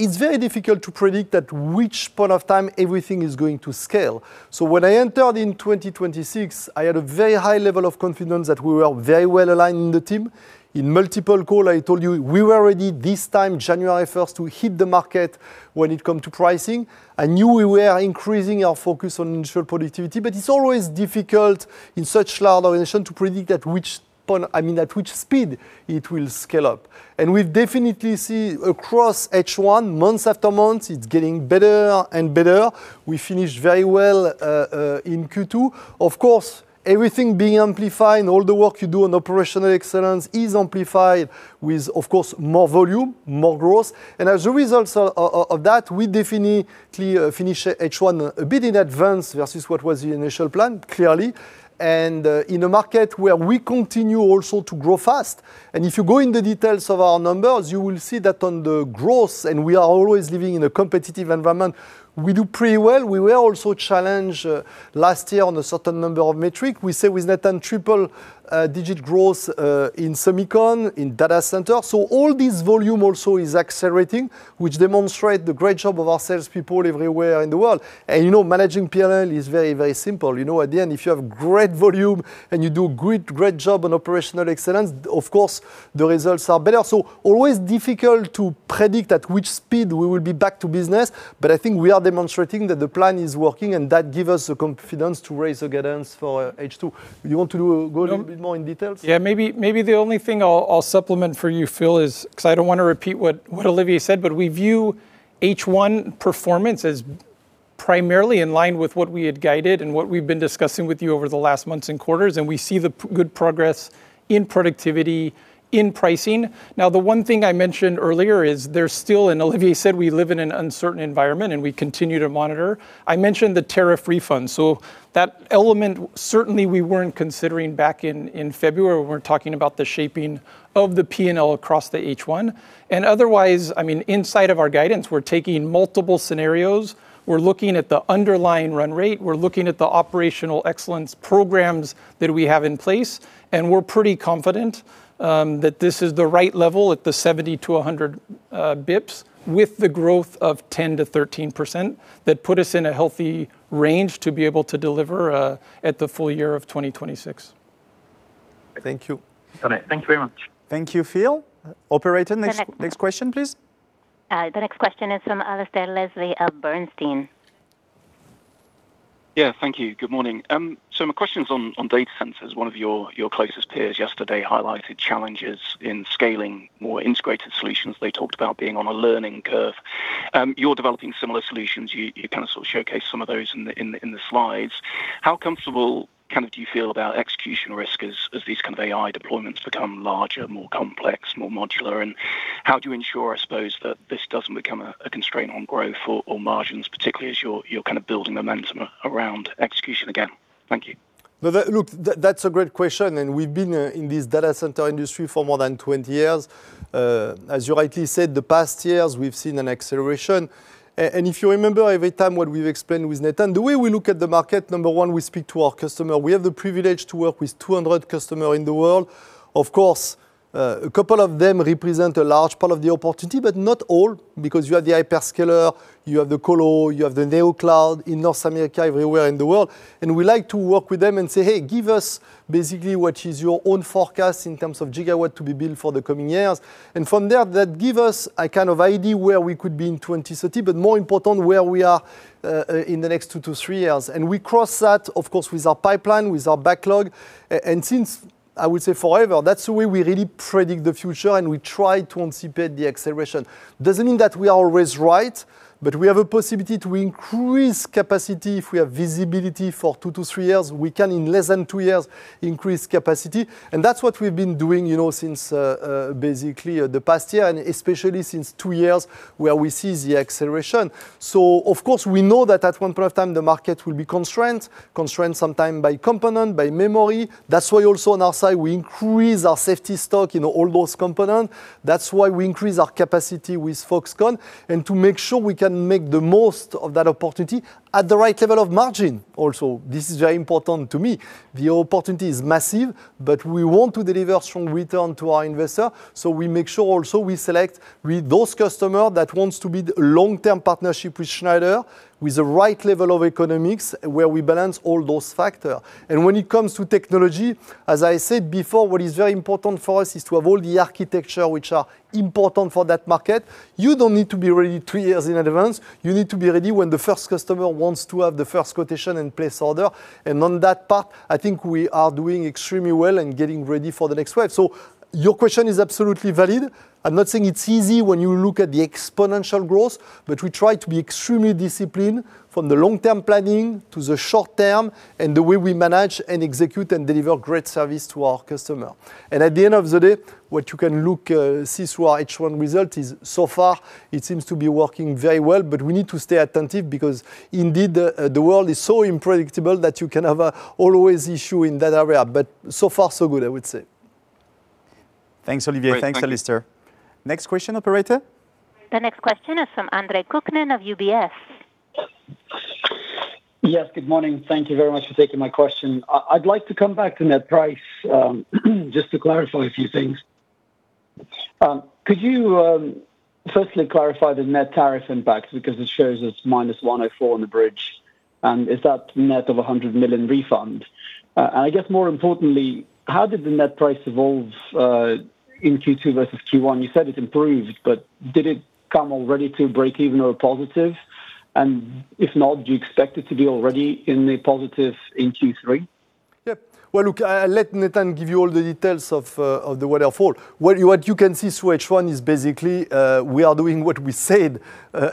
it's very difficult to predict at which point of time everything is going to scale. When I entered in 2026, I had a very high level of confidence that we were very well-aligned in the team. In multiple calls, I told you, we were ready this time, January 1st, to hit the market when it comes to pricing. I knew we were increasing our focus on initial productivity, but it's always difficult in such large organization to predict at which speed it will scale up. We've definitely seen across H1, month after month, it's getting better and better. We finished very well in Q2. Everything being amplified and all the work you do on operational excellence is amplified with, of course, more volume, more growth. We definitely finish H1 a bit in advance versus what was the initial plan, clearly, and in a market where we continue also to grow fast. If you go in the details of our numbers, you will see that on the growth, and we are always living in a competitive environment, we do pretty well. We were also challenged last year on a certain number of metrics. We say with net and triple digit growth in semicon, in data center. All this volume also is accelerating, which demonstrates the great job of our salespeople everywhere in the world. Managing P&L is very, very simple. If you have great volume and you do great job on operational excellence, of course, the results are better. Always difficult to predict at which speed we will be back to business, but I think we are demonstrating that the plan is working, and that give us the confidence to raise the guidance for H2. You want to go a little bit more in detail? Maybe the only thing I'll supplement for you, Phil, is, because I don't want to repeat what Olivier said, but we view H1 performance as primarily in line with what we had guided and what we've been discussing with you over the last months and quarters, and we see the good progress in productivity, in pricing. The one thing I mentioned earlier is there's still, and Olivier said we live in an uncertain environment, and we continue to monitor. I mentioned the tariff refund. That element certainly we weren't considering back in February when we're talking about the shaping of the P&L across the H1. Otherwise, inside of our guidance, we're taking multiple scenarios. We're looking at the underlying run rate. We're looking at the operational excellence programs that we have in place, and we're pretty confident that this is the right level at the 70 basis points-100 basis points with the growth of 10%-13% that put us in a healthy range to be able to deliver at the full-year of 2026. Thank you. Got it. Thank you very much. Thank you, Phil. Operator, next question please. The next question is from Alasdair Leslie of Bernstein. Thank you. Good morning. My question's on data centers. One of your closest peers yesterday highlighted challenges in scaling more integrated solutions. They talked about being on a learning curve. You're developing similar solutions. You showcased some of those in the slides. How comfortable do you feel about execution risk as these kind of AI deployments become larger, more complex, more modular? How do you ensure, I suppose, that this doesn't become a constraint on growth or margins, particularly as you're building momentum around execution again? Thank you. That's a great question, we've been in this data center industry for more than 20 years. As you rightly said, the past years, we've seen an acceleration. If you remember every time what we've explained with Nathan, the way we look at the market, number one, we speak to our customer. We have the privilege to work with 200 customer in the world. Of course, a couple of them represent a large part of the opportunity, but not all, because you have the hyperscaler, you have the colo, you have the neo cloud in North America, everywhere in the world. We like to work with them and say, "Hey, give us basically what is your own forecast in terms of gigawatt to be built for the coming years." From there, that give us a kind of idea where we could be in 2030, but more important, where we are in the next two to three years. We cross that, of course, with our pipeline, with our backlog. Since, I would say forever, that's the way we really predict the future, and we try to anticipate the acceleration. Doesn't mean that we are always right, but we have a possibility to increase capacity if we have visibility for two to three years. We can, in less than two years, increase capacity, and that's what we've been doing since basically the past year, and especially since two years, where we see the acceleration. Of course, we know that at one point of time the market will be constrained sometime by component, by memory. That's why also on our side, we increase our safety stock in all those component. That's why we increase our capacity with Foxconn, and to make sure we can make the most of that opportunity at the right level of margin also. This is very important to me. The opportunity is massive, but we want to deliver strong return to our investor. We make sure also we select with those customer that wants to be long-term partnership with Schneider, with the right level of economics, where we balance all those factor. When it comes to technology, as I said before, what is very important for us is to have all the architecture which are important for that market. You don't need to be ready three years in advance. You need to be ready when the first customer wants to have the first quotation and place order. On that part, I think we are doing extremely well and getting ready for the next wave. Your question is absolutely valid. I'm not saying it's easy when you look at the exponential growth, but we try to be extremely disciplined from the long-term planning to the short-term, and the way we manage and execute and deliver great service to our customer. At the end of the day, what you can see through our H1 result is so far it seems to be working very well, but we need to stay attentive because indeed, the world is so unpredictable that you can have a always issue in that area. So far so good, I would say. Thanks, Olivier. Thanks, Alasdair. Next question, operator. The next question is from Andre Kukhnin of UBS. Yes, good morning. Thank you very much for taking my question. I'd like to come back to net price, just to clarify a few things. Could you firstly clarify the net tariff impact, because it shows it's -104 on the bridge, and is that net of 100 million refund? I guess more importantly, how did the net price evolve in Q2 versus Q1? Did it come already to breakeven or positive? If not, do you expect it to be already in the positive in Q3? Yeah. Well, look, I let Nathan give you all the details of the waterfall. What you can see through H1 is basically, we are doing what we said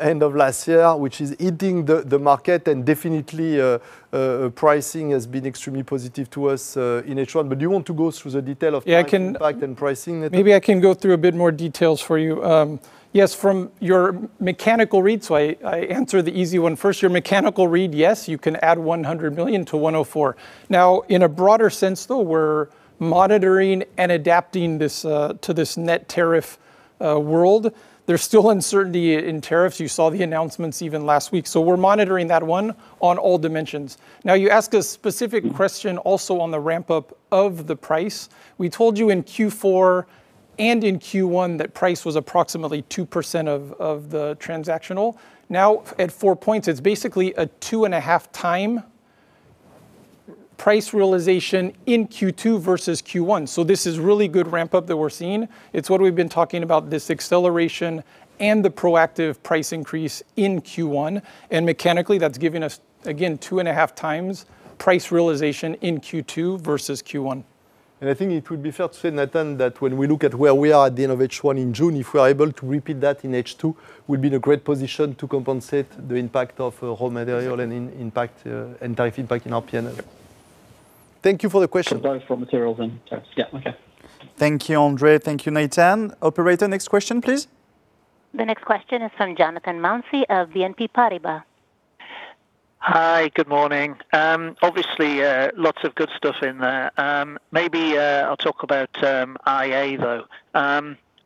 end of last year, which is hitting the market and definitely pricing has been extremely positive to us in H1. Do you want to go through the detail of- Yeah impact and pricing, Nathan? Maybe I can go through a bit more details for you. Yes, from your mechanical read, I answer the easy one first. Your mechanical read, yes, you can add 100 million-104 million. In a broader sense though, we're monitoring and adapting to this net tariff world. There's still uncertainty in tariffs. You saw the announcements even last week. We're monitoring that one on all dimensions. You asked a specific question also on the ramp-up of the price. We told you in Q4 and in Q1 that price was approximately 2% of the transactional. At 4 points, it's basically a 2.5x price realization in Q2 versus Q1. This is really good ramp-up that we're seeing. It's what we've been talking about, this acceleration and the proactive price increase in Q1. And mechanically, that's given us, again, 2.5x price realization in Q2 versus Q1. I think it would be fair to say, Nathan, that when we look at where we are at the end of H1 in June, if we are able to repeat that in H2, we'll be in a great position to compensate the impact of raw material and entire feedback in our P&L. Thank you for the question. Both raw materials and tariffs. Yeah. Okay. Thank you, Andre. Thank you, Nathan. Operator, next question, please. The next question is from Jonathan Mounsey of BNP Paribas. Hi, good morning. Obviously, lots of good stuff in there. Maybe I'll talk about IA, though.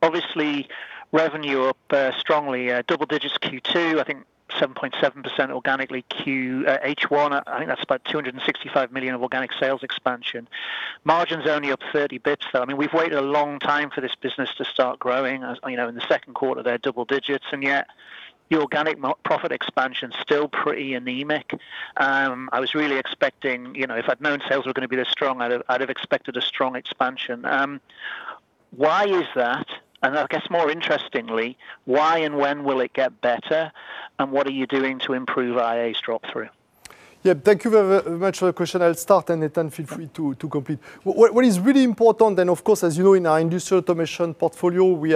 Obviously, revenue up strongly, double digits Q2, I think 7.7% organically H1. I think that's about 265 million of organic sales expansion. Margin's only up 30 basis points, though. I mean, we've waited a long time for this business to start growing. In the second quarter there, double digits, and yet the organic profit expansion is still pretty anemic. If I'd known sales were going to be this strong, I'd have expected a strong expansion. Why is that? I guess more interestingly, why and when will it get better? What are you doing to improve IA's drop-through? Yeah, thank you very much for the question. I'll start, Nathan, feel free to complete. What is really important, of course, as you know, in our industrial automation portfolio, we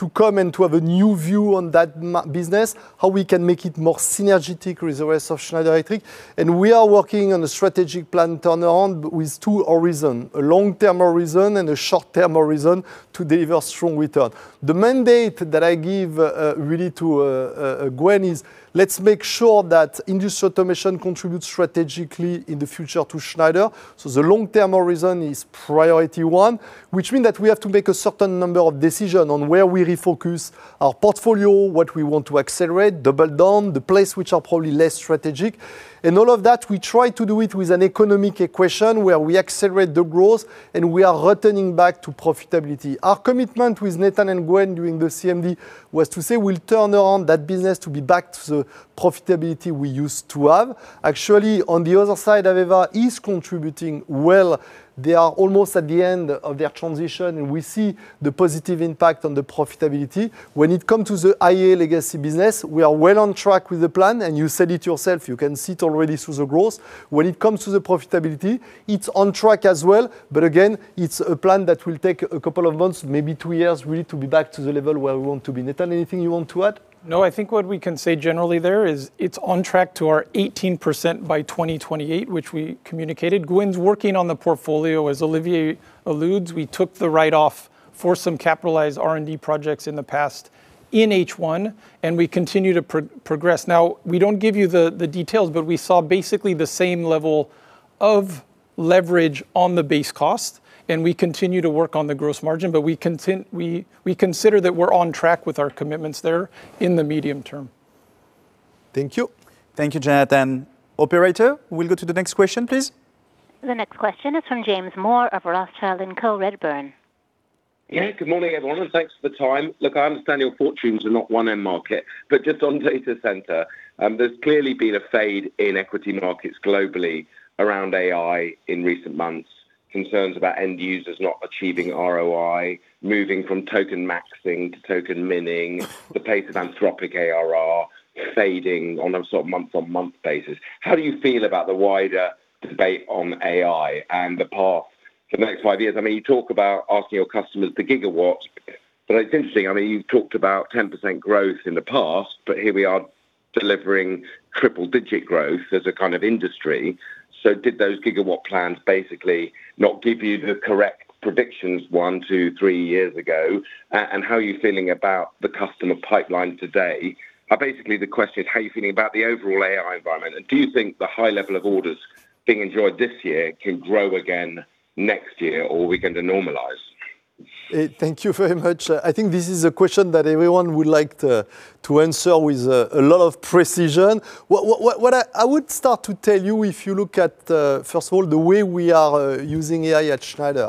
to come and to have a new view on that business, how we can make it more synergetic with the rest of Schneider Electric. We are working on a strategic plan turnaround with two horizons, a long-term horizon and a short-term horizon to deliver strong return. The mandate that I give really to Gwen is, let's make sure that industrial automation contributes strategically in the future to Schneider. The long-term horizon is priority one, which means that we have to make a certain number of decisions on where we refocus our portfolio, what we want to accelerate, double down, the place which are probably less strategic. All of that, we try to do it with an economic equation where we accelerate the growth, and we are returning back to profitability. Our commitment with Nathan and Gwen during the CMD was to say we'll turn around that business to be back to the profitability we used to have. Actually, on the other side, AVEVA is contributing well. They are almost at the end of their transition, and we see the positive impact on the profitability. When it comes to the IA legacy business, we are well on track with the plan, and you said it yourself, you can see it already through the growth. When it comes to the profitability, it's on track as well. Again, it's a plan that will take a couple of months, maybe two years, really to be back to the level where we want to be. Nathan, anything you want to add? No, I think what we can say generally there is it's on track to our 18% by 2028, which we communicated. Gwen's working on the portfolio, as Olivier alludes. We took the write-off for some capitalized R&D projects in the past in H1, and we continue to progress. We don't give you the details, but we saw basically the same level of leverage on the base cost, and we continue to work on the gross margin. We consider that we're on track with our commitments there in the medium term. Thank you. Thank you, Nathan. Operator, we'll go to the next question, please. The next question is from James Moore of Rothschild & Co., Redburn. Yeah. Good morning, everyone, and thanks for the time. I understand your fortunes are not one end market, just on data center, there has clearly been a fade in equity markets globally around AI in recent months. Concerns about end users not achieving ROI, moving from token maxing to token mining, the pace of Anthropic ARR fading on a sort of month-on-month basis. How do you feel about the wider debate on AI and the path for the next five years? You talk about asking your customers the gigawatts, it is interesting, you talked about 10% growth in the past, here we are delivering triple-digit growth as a kind of industry. Did those gigawatt plans basically not give you the correct predictions one, two, three years ago? How are you feeling about the customer pipeline today? Basically, the question is, how are you feeling about the overall AI environment? Do you think the high level of orders being enjoyed this year can grow again next year, or are we going to normalize? Thank you very much. I think this is a question that everyone would like to answer with a lot of precision. What I would start to tell you, if you look at, first of all, the way we are using AI at Schneider.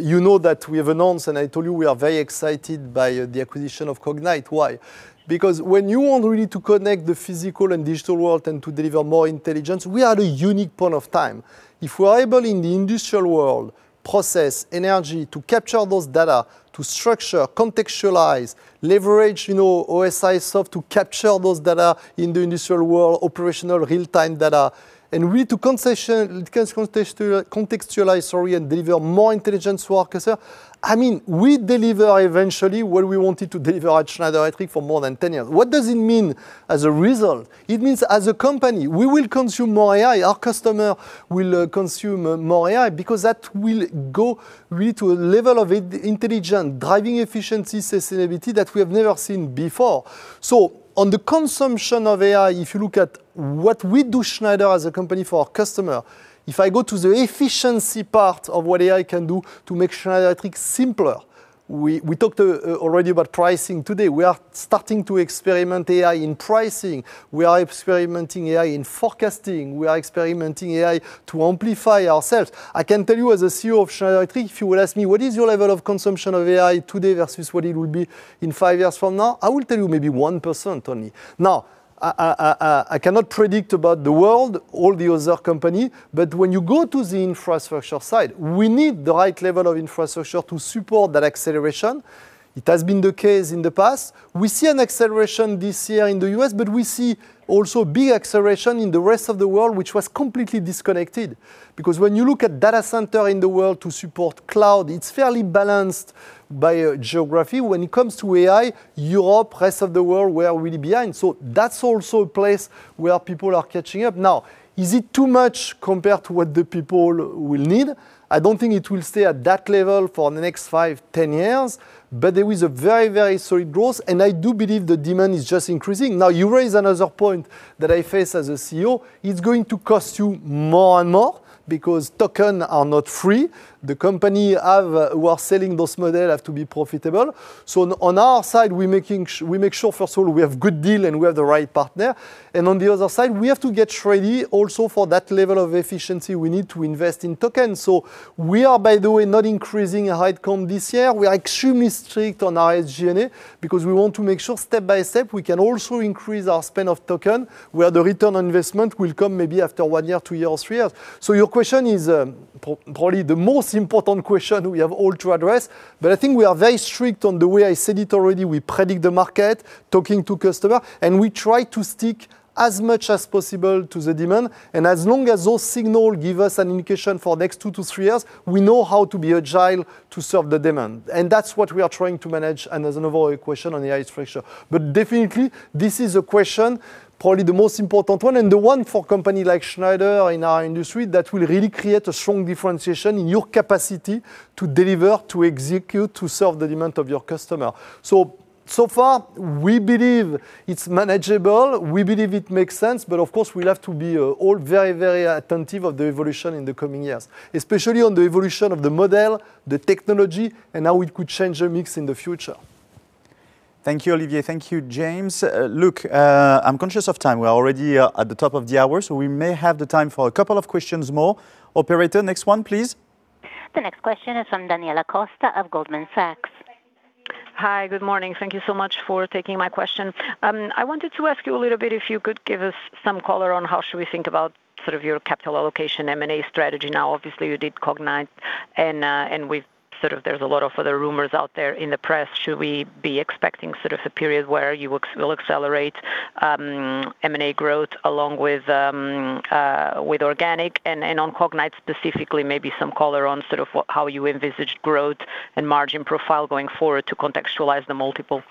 You know that we have announced, I told you we are very excited by the acquisition of Cognite. Why? Because when you want really to connect the physical and digital world and to deliver more intelligence, we are at a unique point of time. If we are able in the industrial world, process energy to capture those data, to structure, contextualize, leverage OSIsoft to capture those data in the industrial world, operational real-time data, we to contextualize, sorry, and deliver more intelligence to our customer. We deliver eventually what we wanted to deliver at Schneider Electric for more than 10 years. What does it mean as a result? It means as a company, we will consume more AI, our customer will consume more AI because that will go really to a level of intelligence, driving efficiency, sustainability that we have never seen before. On the consumption of AI, if you look at what we do, Schneider as a company for our customer, if I go to the efficiency part of what AI can do to make Schneider Electric simpler, we talked already about pricing today. We are starting to experiment AI in pricing. We are experimenting AI in forecasting. We are experimenting AI to amplify ourselves. I can tell you as a CEO of Schneider Electric, if you will ask me, what is your level of consumption of AI today versus what it will be in five years from now? I will tell you maybe 1% only. I cannot predict about the world, all the other company, but when you go to the infrastructure side, we need the right level of infrastructure to support that acceleration. It has been the case in the past. We see an acceleration this year in the U.S., but we see also big acceleration in the rest of the world, which was completely disconnected. question is probably the most important question we have all to address. I think we are very strict on the way I said it already. We predict the market, talking to customer, we try to stick as much as possible to the demand. As long as those signal give us an indication for next two to three years, we know how to be agile to serve the demand. That's what we are trying to manage and as an overall equation on the AI structure. Definitely, this is a question, probably the most important one, and the one for company like Schneider in our industry that will really create a strong differentiation in your capacity to deliver, to execute, to serve the demand of your customer. So far, we believe it's manageable, we believe it makes sense, but of course, we'll have to be all very attentive of the evolution in the coming years, especially on the evolution of the model, the technology, and how we could change the mix in the future. Thank you, Olivier. Thank you, James. Look, I'm conscious of time. We're already at the top of the hour, so we may have the time for a couple of questions more. Operator, next one, please. The next question is from Daniela Costa of Goldman Sachs. Hi. Good morning. Thank you so much for taking my question. I wanted to ask you a little bit if you could give us some color on how should we think about your capital allocation M&A strategy. Obviously you did Cognite, and there's a lot of other rumors out there in the press. Should we be expecting a period where you will accelerate M&A growth along with organic? On Cognite specifically, maybe some color on how you envisage growth and margin profile going forward to contextualize the multiple.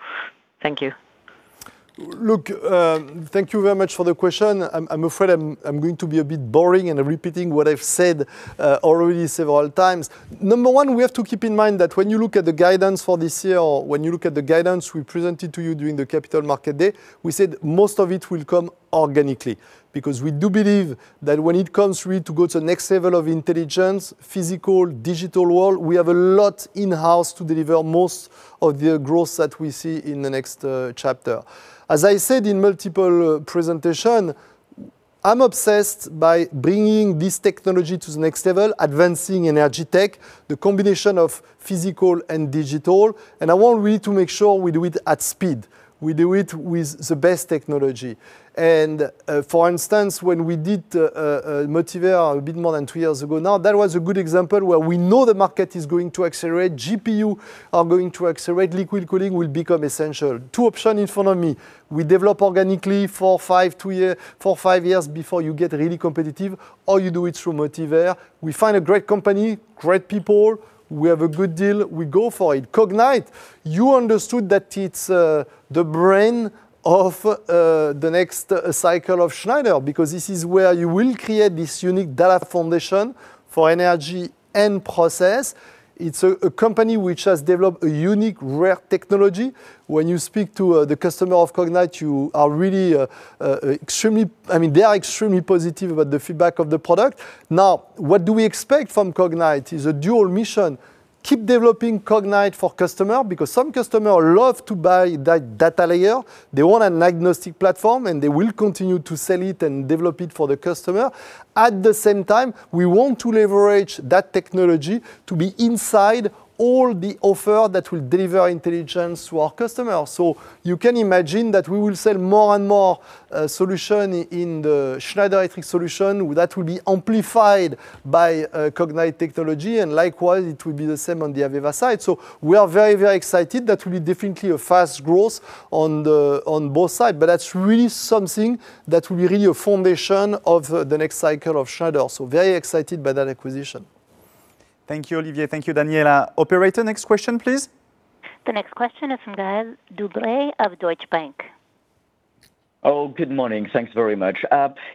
Thank you. Look, thank you very much for the question. I'm afraid I'm going to be a bit boring and repeating what I've said already several times. Number one, we have to keep in mind that when you look at the guidance for this year, or when you look at the guidance we presented to you during the Capital Market Day, we said most of it will come organically because we do believe that when it comes really to go to the next level of intelligence, physical, digital world, we have a lot in-house to deliver most of the growth that we see in the next chapter. As I said in multiple presentation, I'm obsessed by bringing this technology to the next level, advancing energy tech, the combination of physical and digital, I want really to make sure we do it at speed, we do it with the best technology. For instance, when we did Motivair a bit more than two years ago, that was a good example where we know the market is going to accelerate, GPU are going to accelerate, liquid cooling will become essential. Two option in front of me. We develop organically four, five years before you get really competitive, or you do it through Motivair. We find a great company, great people, we have a good deal, we go for it. Cognite, you understood that it's the brain of the next cycle of Schneider, because this is where you will create this unique data foundation for energy and process. It's a company which has developed a unique rare technology. When you speak to the customer of Cognite, they are extremely positive about the feedback of the product. What do we expect from Cognite? It's a dual mission. Keep developing Cognite for customer, because some customer love to buy that data layer. They want an agnostic platform, they will continue to sell it and develop it for the customer. At the same time, we want to leverage that technology to be inside all the offer that will deliver intelligence to our customer. You can imagine that we will sell more and more solution in the Schneider Electric solution that will be amplified by Cognite technology, likewise, it will be the same on the AVEVA side. We are very excited that will be definitely a fast growth on both sides. That's really something that will be really a foundation of the next cycle of Schneider. Very excited by that acquisition. Thank you, Olivier. Thank you, Daniela. Operator, next question, please. The next question is from Gaël De Bray of Deutsche Bank. Good morning. Thanks very much.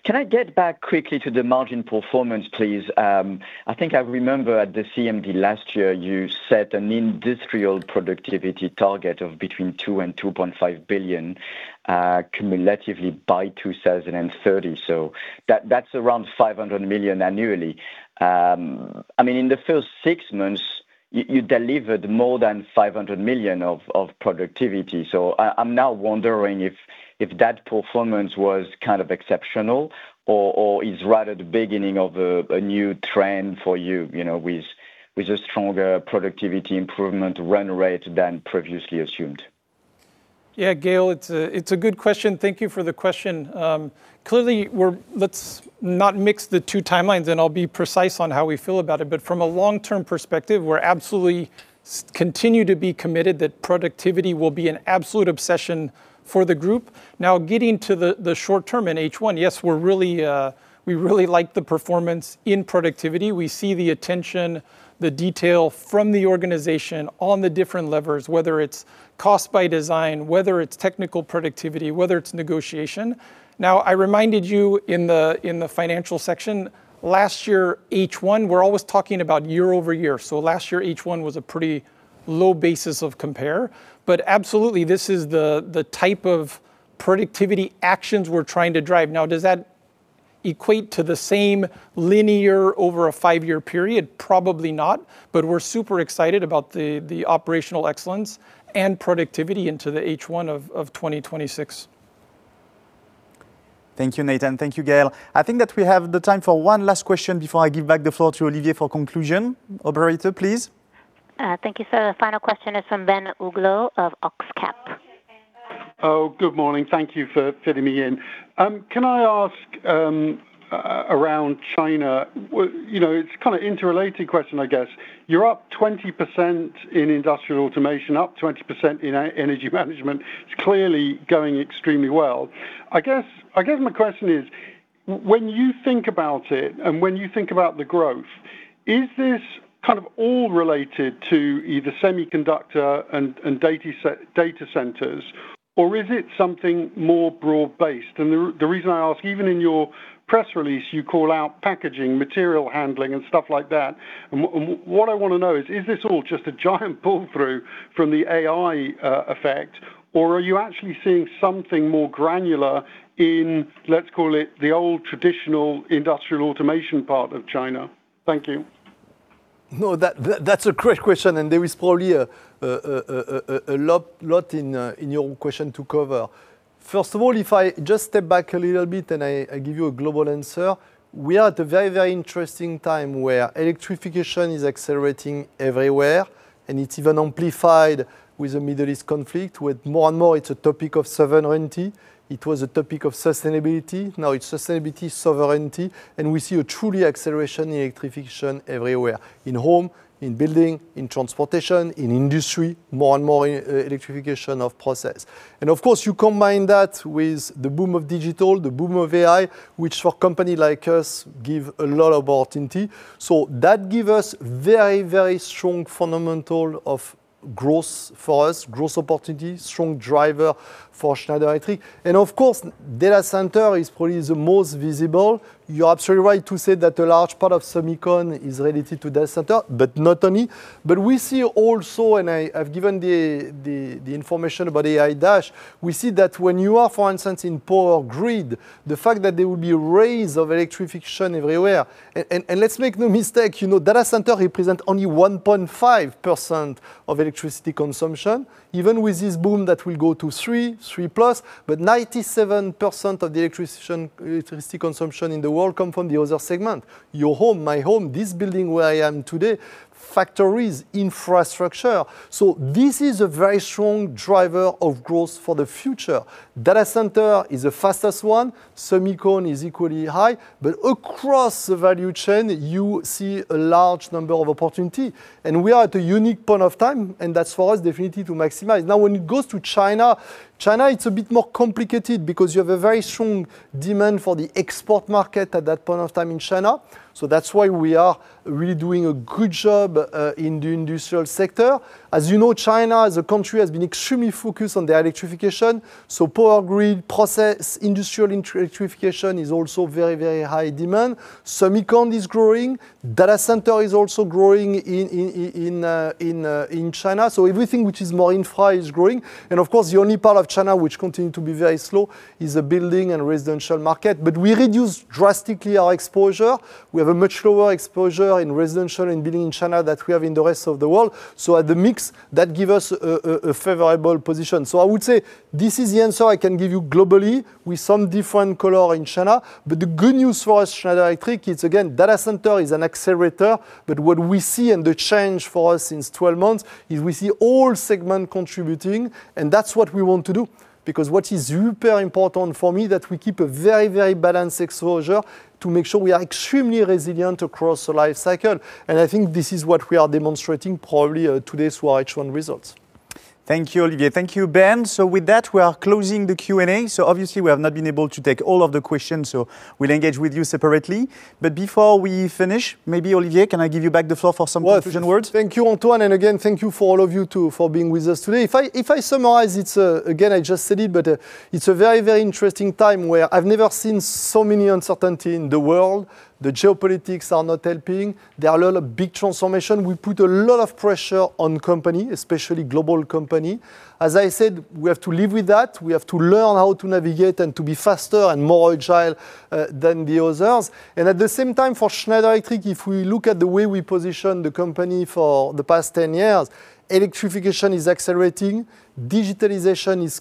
Can I get back quickly to the margin performance, please? I think I remember at the CMD last year, you set an industrial productivity target of between 2 billion and 2.5 billion, cumulatively by 2030. That's around 500 million annually. In the first six months, you delivered more than 500 million of productivity. I'm now wondering if that performance was kind of exceptional or is right at the beginning of a new trend for you, with a stronger productivity improvement run rate than previously assumed. Yeah, Gaël, it's a good question. Thank you for the question. Clearly, let's not mix the two timelines. I'll be precise on how we feel about it. From a long-term perspective, we absolutely continue to be committed that productivity will be an absolute obsession for the group. Getting to the short-term in H1, yes, we really like the performance in productivity. We see the attention, the detail from the organization on the different levers, whether it's cost by design, whether it's technical productivity, whether it's negotiation. I reminded you in the financial section, last year H1, we're always talking about year-over-year. Last year H1 was a pretty low basis of compare. Absolutely, this is the type of productivity actions we're trying to drive. Does that equate to the same linear over a five-year period? Probably not, we're super excited about the operational excellence and productivity into the H1 of 2026. Thank you, Nathan. Thank you, Gaël. I think that we have the time for one last question before I give back the floor to Olivier for conclusion. Operator, please. Thank you, sir. The final question is from Ben Uglow of Oxcap. Good morning. Thank you for fitting me in. Can I ask around China, it's kind of interrelated question, I guess. You're up 20% in industrial automation, up 20% in energy management. It's clearly going extremely well. I guess my question is: When you think about it and when you think about the growth, is this kind of all related to either semiconductor and data centers? Or is it something more broad-based? The reason I ask, even in your press release, you call out packaging, material handling, and stuff like that. What I want to know is this all just a giant pull-through from the AI effect, or are you actually seeing something more granular in, let's call it, the old traditional industrial automation part of China? Thank you. No, that's a great question, and there is probably a lot in your question to cover. First of all, if I just step back a little bit and I give you a global answer, we are at a very interesting time where electrification is accelerating everywhere, and it's even amplified with the Middle East conflict, with more and more it's a topic of sovereignty. It was a topic of sustainability. Now it's sustainability, sovereignty, and we see a true acceleration in electrification everywhere, in home, in building, in transportation, in industry, more and more electrification of process. Of course, you combine that with the boom of digital, the boom of AI, which, for a company like us, give a lot of opportunity. That give us very strong fundamental of growth for us, growth opportunity, strong driver for Schneider Electric. Data center is probably the most visible. You are absolutely right to say that a large part of semicon is related to data center, but not only. We see also, I've given the information about AI. We see that when you are, for instance, in power grid, the fact that there will be a rise of electrification everywhere. Let's make no mistake, data center represent only 1.5% of electricity consumption. Even with this boom, that will go to 3+, but 97% of the electricity consumption in the world come from the other segment. Your home, my home, this building where I am today, factories, infrastructure. This is a very strong driver of growth for the future. Data center is the fastest 1. semicon is equally high. Across the value chain, you see a large number of opportunity. We are at a unique point of time, and that's for us, definitely to maximize. Now, when it goes to China, it's a bit more complicated because you have a very strong demand for the export market at that point of time in China. That's why we are really doing a good job in the industrial sector. As you know, China, as a country, has been extremely focused on their electrification. Power grid process, industrial electrification is also very high demand. Semicon is growing. Data center is also growing in China. Everything which is more infra is growing. Of course, the only part of China which continue to be very slow is the building and residential market. We reduce drastically our exposure. We have a much lower exposure in residential and building in China that we have in the rest of the world. At the mix, that give us a favorable position. I would say this is the answer I can give you globally with some different color in China. The good news for us, Schneider Electric, it's again, data center is an accelerator, but what we see and the change for us since 12 months is we see all segment contributing, and that's what we want to do because what is super important for me that we keep a very balanced exposure to make sure we are extremely resilient across the life cycle. I think this is what we are demonstrating probably today for H1 results. Thank you, Olivier. Thank you, Ben. With that, we are closing the Q&A. Obviously, we have not been able to take all of the questions, we'll engage with you separately. Before we finish, maybe Olivier, can I give you back the floor for some conclusion words? Well, thank you, Antoine. Again, thank you for all of you too for being with us today. If I summarize, again, I just said it, but it's a very interesting time where I've never seen so many uncertainty in the world. The geopolitics are not helping. There are a lot of big transformation. We put a lot of pressure on company, especially global company. As I said, we have to live with that. We have to learn how to navigate and to be faster and more agile than the others. At the same time, for Schneider Electric, if we look at the way we position the company for the past 10 years, electrification is accelerating, digitalization is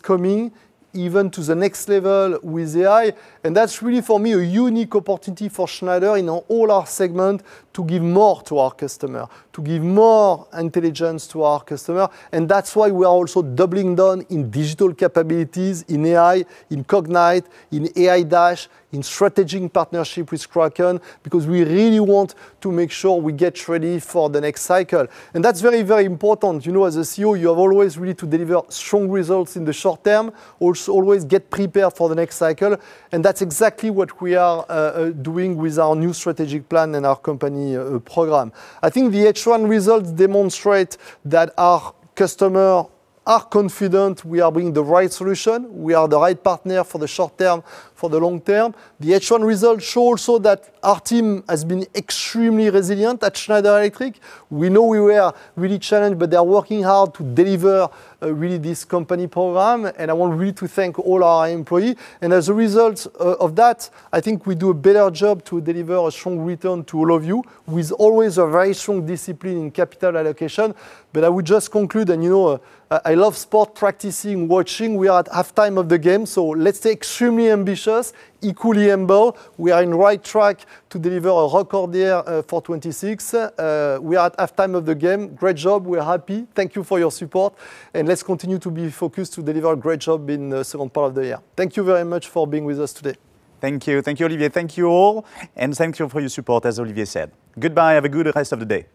coming even to the next level with AI, and that's really, for me, a unique opportunity for Schneider in all our segment to give more to our customer, to give more intelligence to our customer, and that's why we are also doubling down in digital capabilities in AI, in Cognite, in AI, in strategic partnership with Kraken, because we really want to make sure we get ready for the next cycle. That's very important. As a CEO, you have always really to deliver strong results in the short term, also always get prepared for the next cycle, and that's exactly what we are doing with our new strategic plan and our company program. I think the H1 results demonstrate that our customer are confident we are bringing the right solution. We are the right partner for the short term, for the long term. The H1 results show also that our team has been extremely resilient at Schneider Electric. We know we were really challenged, but they are working hard to deliver really this company program, and I want really to thank all our employee. As a result of that, I think we do a better job to deliver a strong return to all of you with always a very strong discipline in capital allocation. I would just conclude, and I love sport practicing, watching. We are at halftime of the game, so let's stay extremely ambitious, equally humble. We are in right track to deliver a record year for 2026. We are at halftime of the game. Great job. We're happy. Thank you for your support, and let's continue to be focused to deliver great job in the second part of the year. Thank you very much for being with us today. Thank you. Thank you, Olivier. Thank you all, and thank you for your support, as Olivier said. Goodbye. Have a good rest of the day